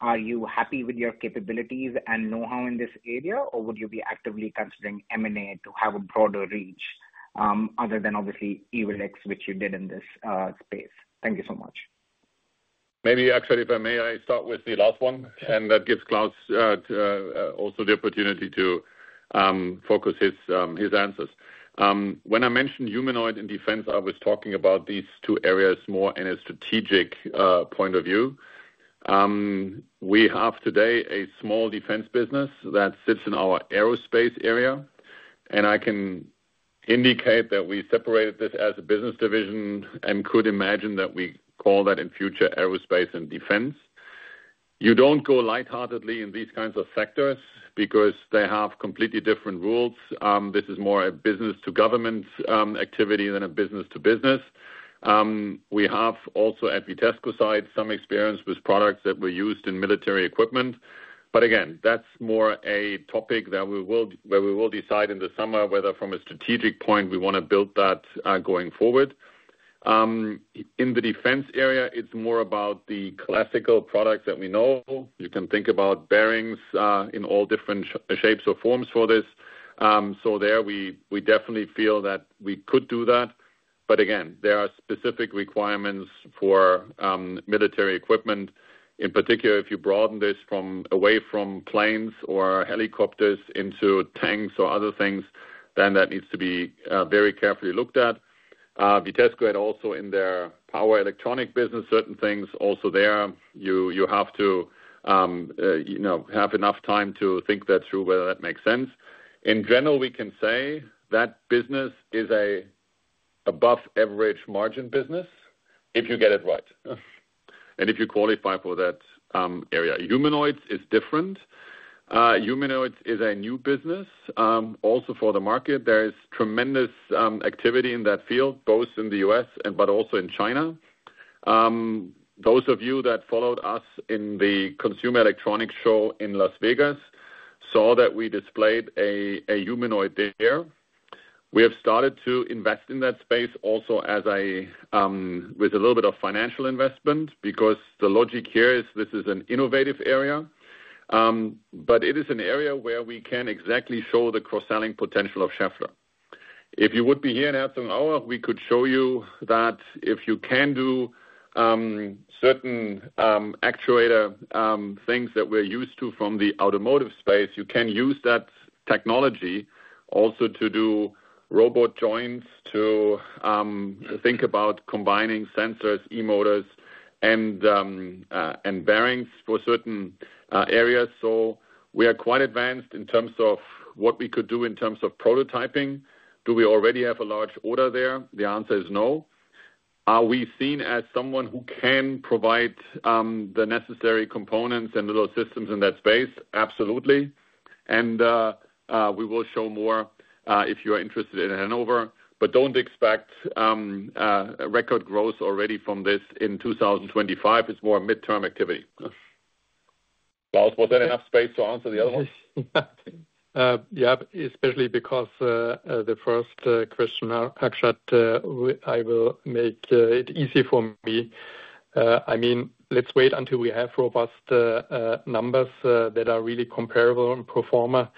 are you happy with your capabilities and know-how in this area, or would you be actively considering M&A to have a broader reach other than obviously Ewellix, which you did in this space? Thank you so much.
Maybe Akshat, if I may, I start with the last one, and that gives Claus also the opportunity to focus his answers. When I mentioned humanoid and defense, I was talking about these two areas more in a strategic point of view. We have today a small defense business that sits in our aerospace area, and I can indicate that we separated this as a business division and could imagine that we call that in future aerospace and defense. You don't go light-heartedly in these kinds of sectors because they have completely different rules. This is more a business-to-government activity than a business-to-business. We have also at Vitesco side some experience with products that were used in military equipment. But again, that's more a topic where we will decide in the summer whether from a strategic point we want to build that going forward. In the defense area, it's more about the classical products that we know. You can think about bearings in all different shapes or forms for this. So there we definitely feel that we could do that. But again, there are specific requirements for military equipment. In particular, if you broaden this away from planes or helicopters into tanks or other things, then that needs to be very carefully looked at. Vitesco had also in their power electronic business certain things. Also there, you have to have enough time to think that through whether that makes sense. In general, we can say that business is an above-average margin business if you get it right and if you qualify for that area. Humanoids is different. Humanoids is a new business. Also for the market, there is tremendous activity in that field, both in the U.S. but also in China. Those of you that followed us in the Consumer Electronics Show in Las Vegas saw that we displayed a humanoid there. We have started to invest in that space also with a little bit of financial investment because the logic here is this is an innovative area, but it is an area where we can exactly show the cross-selling potential of Schaeffler. If you would be here in Herzogenaurach, we could show you that if you can do certain actuator things that we're used to from the automotive space, you can use that technology also to do robot joints, to think about combining sensors, e-motors, and bearings for certain areas. So we are quite advanced in terms of what we could do in terms of prototyping. Do we already have a large order there? The answer is no. Are we seen as someone who can provide the necessary components and little systems in that space? Absolutely. And we will show more if you are interested in Hanover, but don't expect record growth already from this in 2025. It's more midterm activity. Claus, was that enough space to answer the other one?
Yeah, especially because the first question, Akshat, I will make it easy for me. I mean, let's wait until we have robust numbers that are really comparable and pro forma.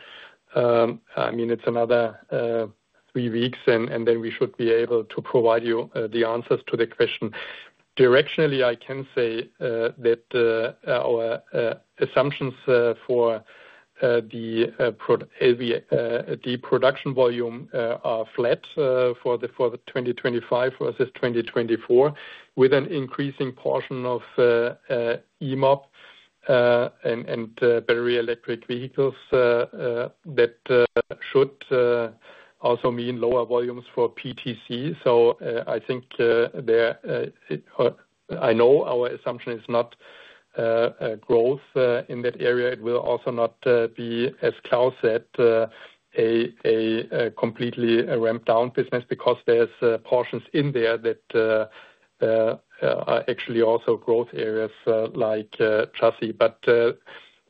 I mean, it's another three weeks, and then we should be able to provide you the answers to the question. Directionally, I can say that our assumptions for the production volume are flat for the 2025 versus 2024 with an increasing portion of E-Mob and battery electric vehicles that should also mean lower volumes for PTC. So I think I know our assumption is not growth in that area. It will also not be, as Klaus said, a completely ramped-down business because there's portions in there that are actually also growth areas like chassis, but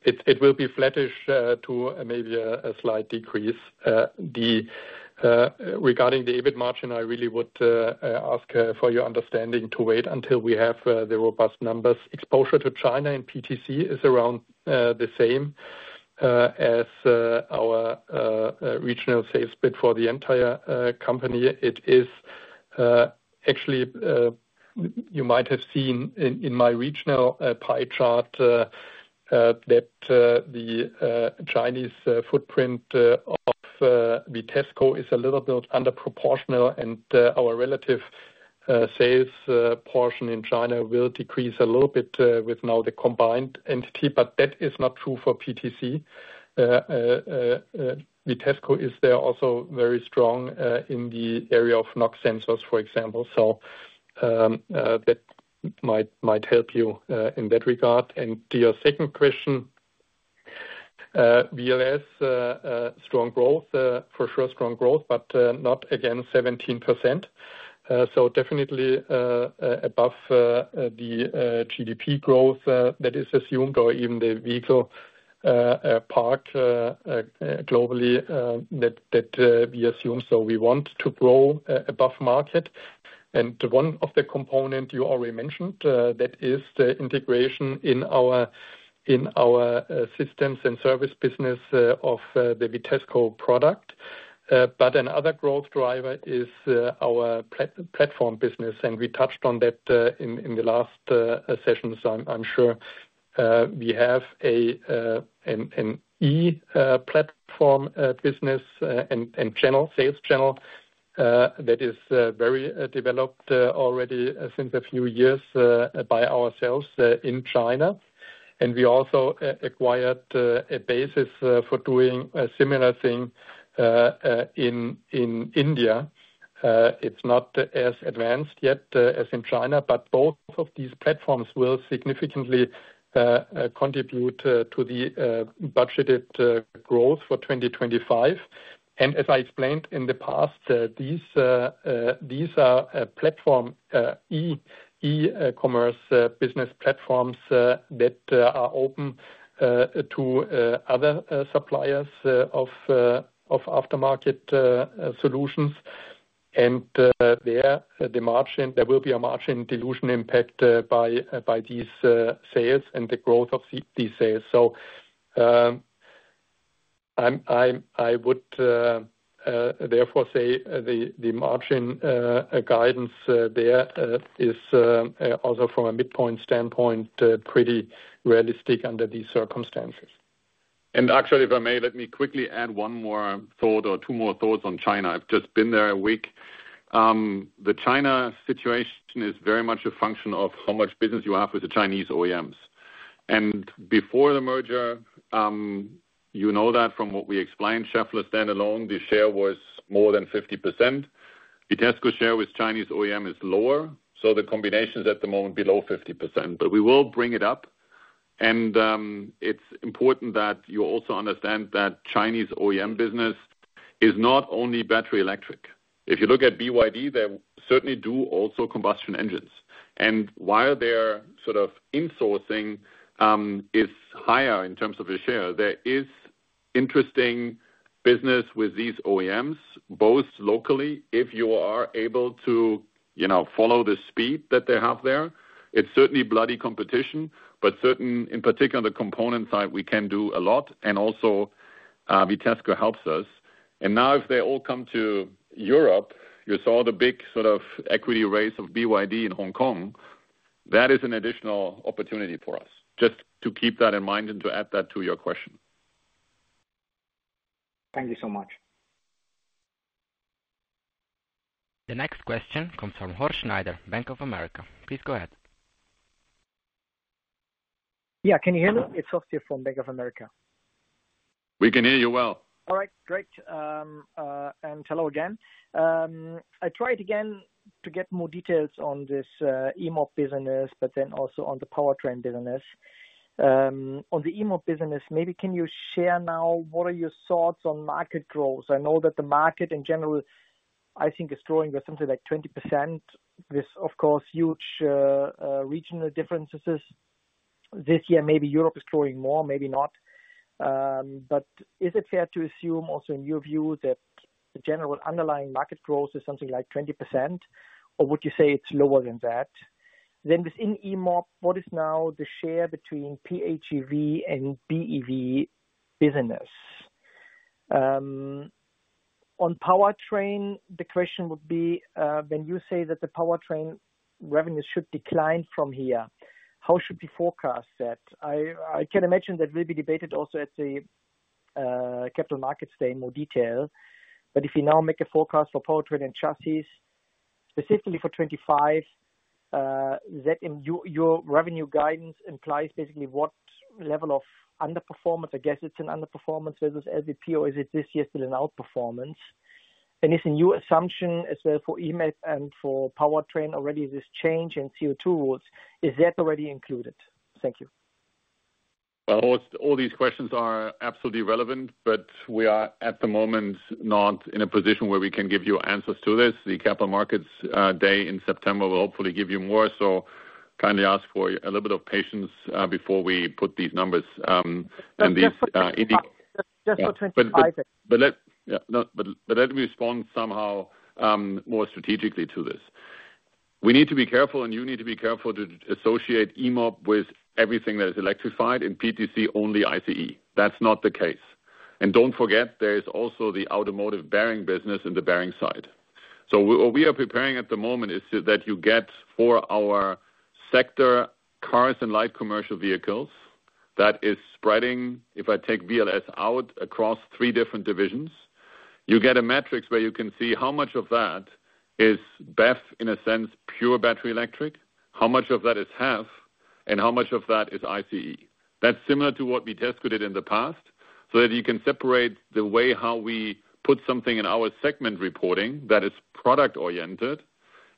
it will be flattish to maybe a slight decrease. Regarding the EBIT margin, I really would ask for your understanding to wait until we have the robust numbers. Exposure to China and PTC is around the same as our regional sales mix for the entire company. It is actually, you might have seen in my regional pie chart that the Chinese footprint of Vitesco is a little bit under proportional, and our relative sales portion in China will decrease a little bit with now the combined entity, but that is not true for PTC. Vitesco is there also very strong in the area of NOx sensors, for example. So that might help you in that regard. And to your second question, VLS, strong growth, for sure, strong growth, but not again, 17%. So definitely above the GDP growth that is assumed or even the vehicle parc globally that we assume. So we want to grow above market. And one of the components you already mentioned, that is the integration in our systems and service business of the Vitesco product. But another growth driver is our platform business, and we touched on that in the last session. So I'm sure we have an e-platform business and sales channel that is very developed already since a few years by ourselves in China. And we also acquired a basis for doing a similar thing in India. It's not as advanced yet as in China, but both of these platforms will significantly contribute to the budgeted growth for 2025. And as I explained in the past, these are e-commerce business platforms that are open to other suppliers of aftermarket solutions. And there will be a margin dilution impact by these sales and the growth of these sales. So I would therefore say the margin guidance there is also from a midpoint standpoint pretty realistic under these circumstances.
Akshat, if I may, let me quickly add one more thought or two more thoughts on China. I've just been there a week. The China situation is very much a function of how much business you have with the Chinese OEMs. And before the merger, you know that from what we explained, Schaeffler standalone, the share was more than 50%. Vitesco's share with Chinese OEM is lower. So the combination is at the moment below 50%, but we will bring it up. And it's important that you also understand that Chinese OEM business is not only battery electric. If you look at BYD, they certainly do also combustion engines. And while their sort of insourcing is higher in terms of the share, there is interesting business with these OEMs, both locally, if you are able to follow the speed that they have there. It's certainly bloody competition, but certainly, in particular, the component side, we can do a lot, and also Vitesco helps us, and now if they all come to Europe, you saw the big sort of equity raise of BYD in Hong Kong. That is an additional opportunity for us. Just to keep that in mind and to add that to your question.
Thank you so much.
The next question comes from Horst Schneider, Bank of America. Please go ahead. Yeah, can you hear me? It's Sofia from Bank of America. We can hear you well. All right. Great, and hello again. I tried again to get more details on this E-Mob business, but then also on the powertrain business. On the E-Mob business, maybe can you share now what are your thoughts on market growth? I know that the market in general, I think, is growing with something like 20% with, of course, huge regional differences. This year, maybe Europe is growing more, maybe not. But is it fair to assume also in your view that the general underlying market growth is something like 20%, or would you say it's lower than that? Then within E-Mob, what is now the share between PHEV and BEV business? On powertrain, the question would be, when you say that the powertrain revenues should decline from here, how should we forecast that? I can imagine that will be debated also at the capital markets day in more detail. But if you now make a forecast for powertrain and chassis, specifically for 2025, your revenue guidance implies basically what level of underperformance? I guess it's an underperformance versus LVP, or is it this year still an outperformance? Is a new assumption as well for E-Mob and for powertrain already this change in CO2 rules? Is that already included? Thank you.
All these questions are absolutely relevant, but we are at the moment not in a position where we can give you answers to this. The capital markets day in September will hopefully give you more. So kindly ask for a little bit of patience before we put these numbers. And just for 2025. But let me respond somehow more strategically to this. We need to be careful, and you need to be careful to associate E-Mob with everything that is electrified and PTC-only ICE. That's not the case. And don't forget, there is also the automotive bearing business in the bearing side. So, what we are preparing at the moment is that you get for our sector, cars and light commercial vehicles that is spreading, if I take VLS out across three different divisions, you get a matrix where you can see how much of that is BEV, in a sense, pure battery electric, how much of that is HEV, and how much of that is ICE. That's similar to what Vitesco did in the past so that you can separate the way how we put something in our segment reporting that is product-oriented,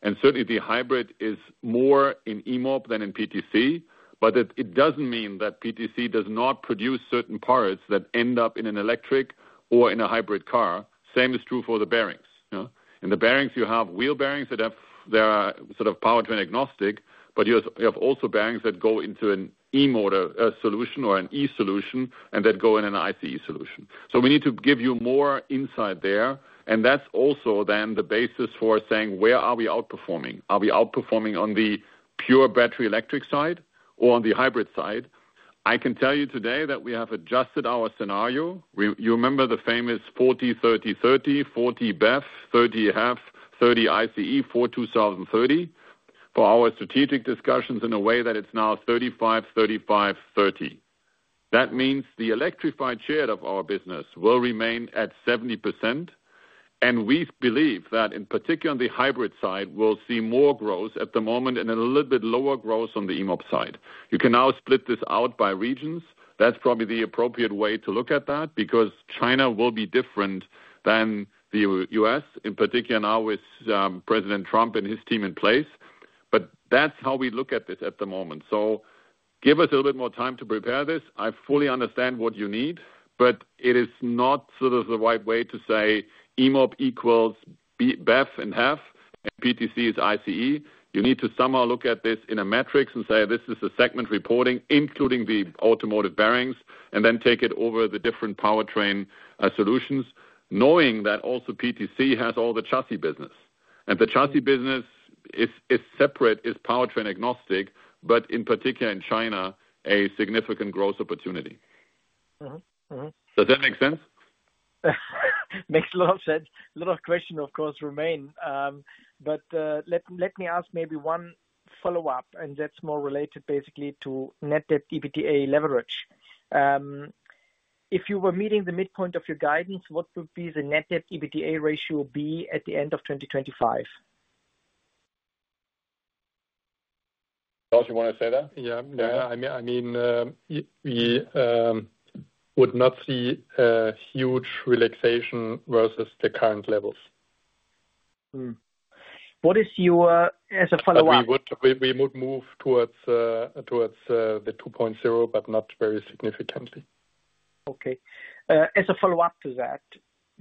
and certainly, the hybrid is more in E-Mob than in PTC, but it doesn't mean that PTC does not produce certain parts that end up in an electric or in a hybrid car. Same is true for the bearings. In the bearings, you have wheel bearings that are sort of powertrain agnostic, but you have also bearings that go into an E-motor solution or an E-solution and that go in an ICE solution. So we need to give you more insight there. And that's also then the basis for saying, where are we outperforming? Are we outperforming on the pure battery electric side or on the hybrid side? I can tell you today that we have adjusted our scenario. You remember the famous 40-30-30, 40 BEV, 30 HEV, 30 ICE for 2030 for our strategic discussions in a way that it's now 35-35-30. That means the electrified share of our business will remain at 70%. And we believe that in particular, on the hybrid side, we'll see more growth at the moment and a little bit lower growth on the E-Mob side. You can now split this out by regions. That's probably the appropriate way to look at that because China will be different than the U.S., in particular now with President Trump and his team in place. But that's how we look at this at the moment. So give us a little bit more time to prepare this. I fully understand what you need, but it is not sort of the right way to say E-Mob equals BEV and HEV and PTC is ICE. You need to somehow look at this in a matrix and say, this is the segment reporting, including the automotive bearings, and then take it over the different powertrain solutions, knowing that also PTC has all the chassis business. And the chassis business is separate, is powertrain agnostic, but in particular, in China, a significant growth opportunity. Does that make sense? Makes a lot of sense. A lot of questions, of course, remain. But let me ask maybe one follow-up, and that's more related basically to net debt EBITDA leverage. If you were meeting the midpoint of your guidance, what would be the net debt EBITDA ratio be at the end of 2025? Claus, you want to say that?
Yeah. I mean, we would not see a huge relaxation versus the current levels. What is your, as a follow-up? We would move towards the 2.0, but not very significantly. Okay. As a follow-up to that,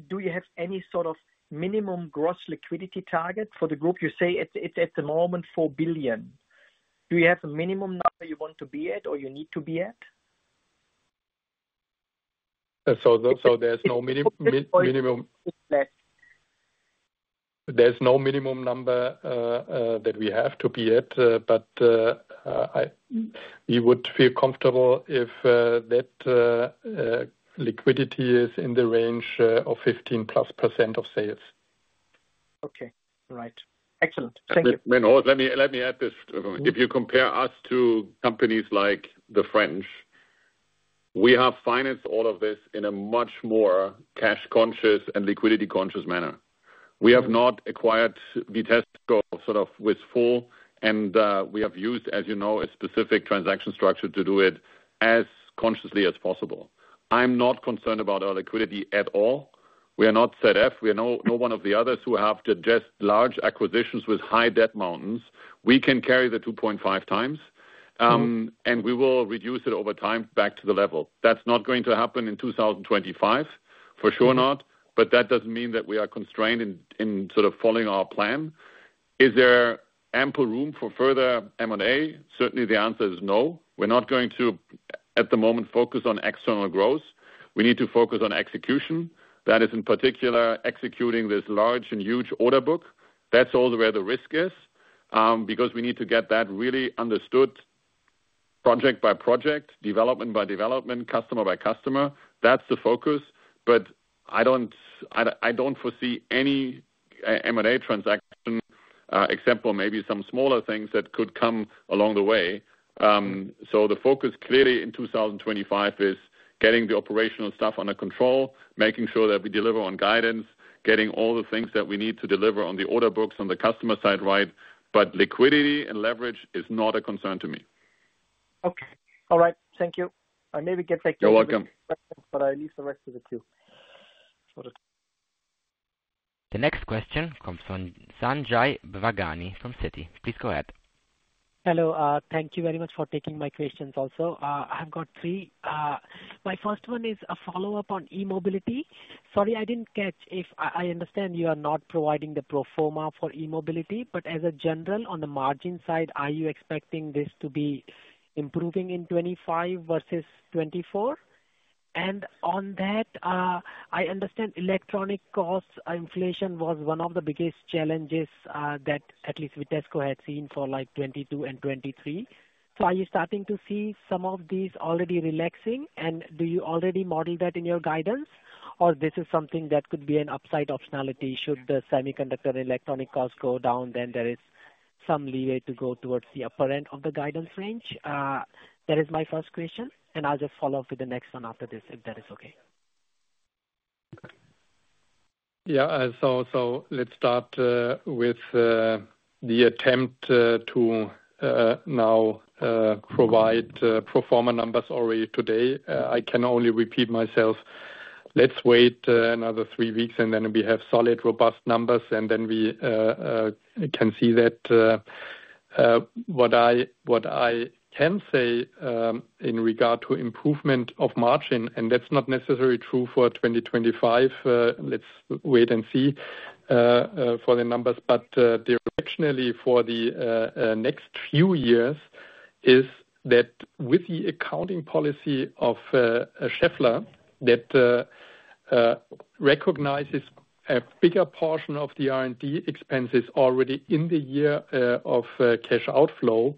do you have any sort of minimum gross liquidity target for the group? You say it's at the moment 4 billion. Do you have a minimum number you want to be at or you need to be at? So there's no minimum. There's no minimum number that we have to be at, but we would feel comfortable if that liquidity is in the range of 15% plus of sales. Okay. All right. Excellent. Thank you.
Let me add this. If you compare us to companies like the French, we have financed all of this in a much more cash-conscious and liquidity-conscious manner. We have not acquired Vitesco sort of with full, and we have used, as you know, a specific transaction structure to do it as consciously as possible. I'm not concerned about our liquidity at all. We are not ZF. We are no one of the others who have just large acquisitions with high debt mountains. We can carry the 2.5 times, and we will reduce it over time back to the level. That's not going to happen in 2025, for sure not, but that doesn't mean that we are constrained in sort of following our plan. Is there ample room for further M&A? Certainly, the answer is no. We're not going to, at the moment, focus on external growth. We need to focus on execution. That is, in particular, executing this large and huge order book. That's all where the risk is because we need to get that really understood project by project, development by development, customer by customer. That's the focus. But I don't foresee any M&A transaction, except for maybe some smaller things that could come along the way. So the focus clearly in 2025 is getting the operational stuff under control, making sure that we deliver on guidance, getting all the things that we need to deliver on the order books on the customer side right. But liquidity and leverage is not a concern to me. Okay. All right. Thank you. I may get back to you on the questions, but I'll leave the rest to you. The next question comes from Sanjay Bhagwani from Citi. Please go ahead.
Hello. Thank you very much for taking my questions also. I've got three. My first one is a follow-up on E-Mobility. Sorry, I didn't catch if I understand you are not providing the proforma for E-Mobility, but as a general on the margin side, are you expecting this to be improving in 2025 versus 2024? And on that, I understand electronic cost inflation was one of the biggest challenges that at least Vitesco had seen for 2022 and 2023. So are you starting to see some of these already relaxing? Do you already model that in your guidance, or this is something that could be an upside optionality? Should the semiconductor and electronic costs go down, then there is some leeway to go towards the upper end of the guidance range. That is my first question, and I'll just follow up with the next one after this if that is okay.
Yeah. Let's start with the attempt to now provide pro forma numbers already today. I can only repeat myself. Let's wait another three weeks, and then we have solid, robust numbers, and then we can see that. What I can say in regard to improvement of margin, and that's not necessarily true for 2025. Let's wait and see for the numbers, but directionally for the next few years is that with the accounting policy of Schaeffler that recognizes a bigger portion of the R&D expenses already in the year of cash outflow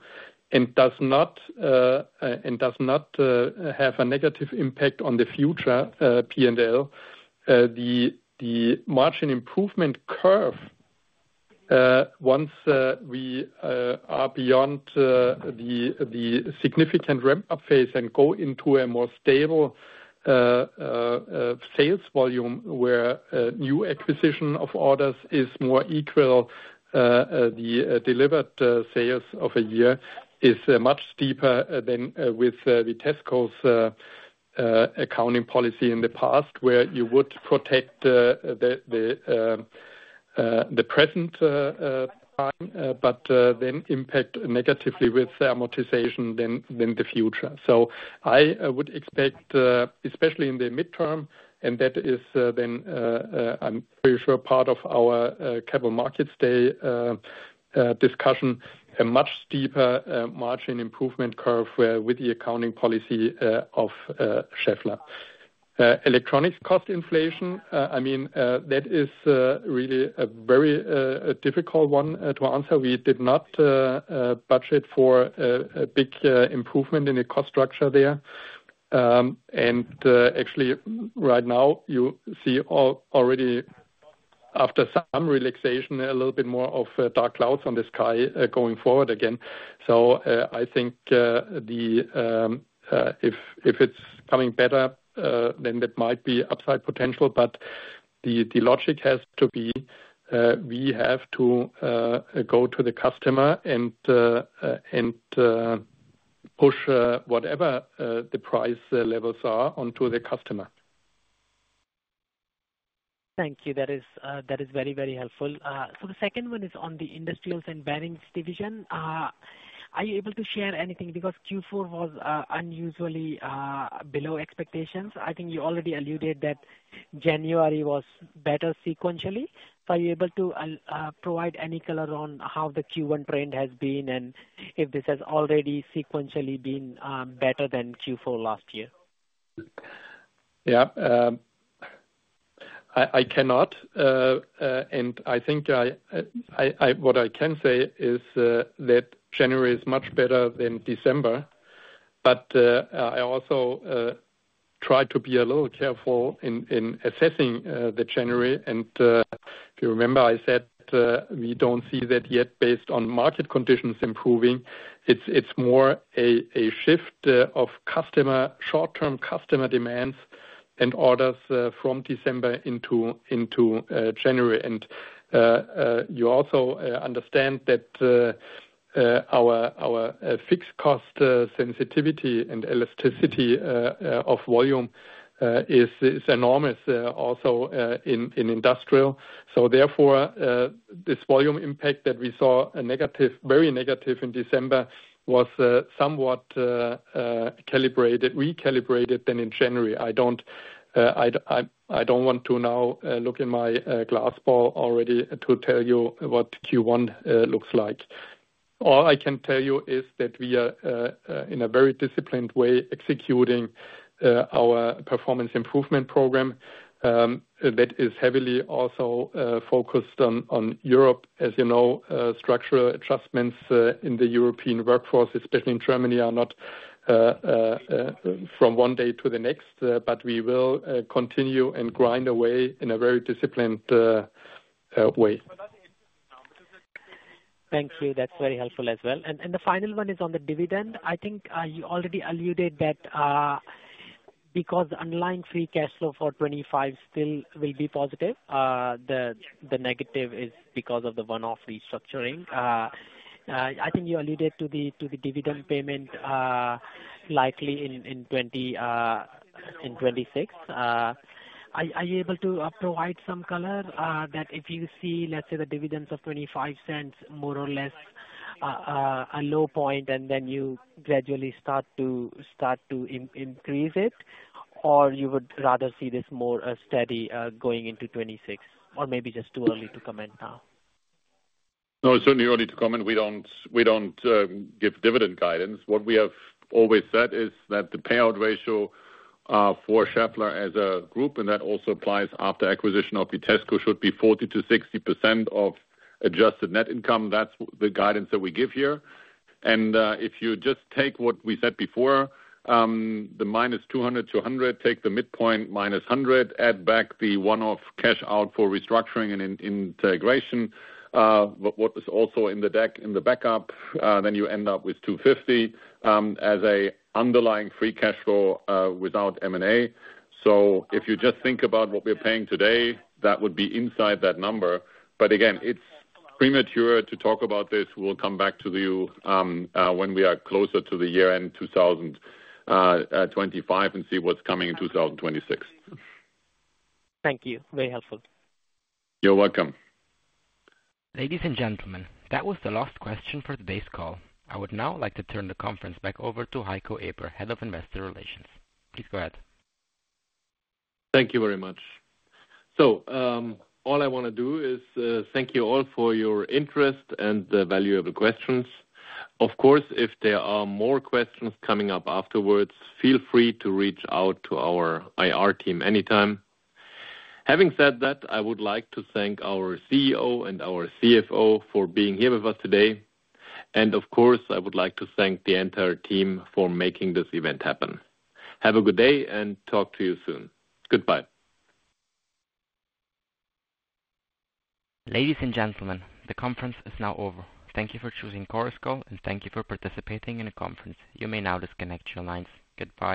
and does not have a negative impact on the future P&L, the margin improvement curve, once we are beyond the significant ramp-up phase and go into a more stable sales volume where new acquisition of orders is more equal, the delivered sales of a year is much steeper than with Vitesco's accounting policy in the past where you would protect the present time, but then impact negatively with amortization in the future. So I would expect, especially in the midterm, and that is then I'm pretty sure part of our capital markets day discussion, a much steeper margin improvement curve with the accounting policy of Schaeffler. Electronics cost inflation, I mean, that is really a very difficult one to answer. We did not budget for a big improvement in the cost structure there. And actually, right now, you see already after some relaxation, a little bit more of dark clouds on the sky going forward again. So I think if it's coming better, then that might be upside potential. But the logic has to be we have to go to the customer and push whatever the price levels are onto the customer.
Thank you. That is very, very helpful. So the second one is on the industrials and bearings division. Are you able to share anything because Q4 was unusually below expectations? I think you already alluded that January was better sequentially. Are you able to provide any color on how the Q1 trend has been and if this has already sequentially been better than Q4 last year?
Yeah. I cannot, and I think what I can say is that January is much better than December. But I also try to be a little careful in assessing the January. If you remember, I said we don't see that yet based on market conditions improving. It's more a shift of short-term customer demands and orders from December into January. You also understand that our fixed cost sensitivity and elasticity of volume is enormous also in industrial. Therefore, this volume impact that we saw, very negative in December, was somewhat recalibrated than in January. I don't want to now look in my crystal ball already to tell you what Q1 looks like. All I can tell you is that we are in a very disciplined way executing our performance improvement program that is heavily also focused on Europe. As you know, structural adjustments in the European workforce, especially in Germany, are not from one day to the next, but we will continue and grind away in a very disciplined way.
Thank you. That's very helpful as well. And the final one is on the dividend. I think you already alluded that because the underlying free cash flow for 2025 still will be positive. The negative is because of the one-off restructuring. I think you alluded to the dividend payment likely in 2026. Are you able to provide some color that if you see, let's say, the dividends of 0.25, more or less a low point, and then you gradually start to increase it, or you would rather see this more steady going into 2026? Or maybe just too early to comment now?
No, it's certainly early to comment. We don't give dividend guidance. What we have always said is that the payout ratio for Schaeffler as a group, and that also applies after acquisition of Vitesco, should be 40%-60% of adjusted net income. That's the guidance that we give here. If you just take what we said before, the minus 200 million to 100 million, take the midpoint minus 100 million, add back the one-off cash out for restructuring and integration, what is also in the backup, then you end up with 250 million as an underlying free cash flow without M&A. So if you just think about what we're paying today, that would be inside that number. But again, it's premature to talk about this. We'll come back to you when we are closer to the year-end 2025 and see what's coming in 2026.
Thank you. Very helpful.
You're welcome.
Ladies and gentlemen, that was the last question for today's call. I would now like to turn the conference back over to Heiko Eber, Head of Investor Relations. Please go ahead.
Thank you very much. So all I want to do is thank you all for your interest and valuable questions. Of course, if there are more questions coming up afterwards, feel free to reach out to our IR team anytime. Having said that, I would like to thank our CEO and our CFO for being here with us today. And of course, I would like to thank the entire team for making this event happen. Have a good day and talk to you soon. Goodbye.
Ladies and gentlemen, the conference is now over. Thank you for choosing Chorus Call, and thank you for participating in the conference. You may now disconnect your lines. Goodbye.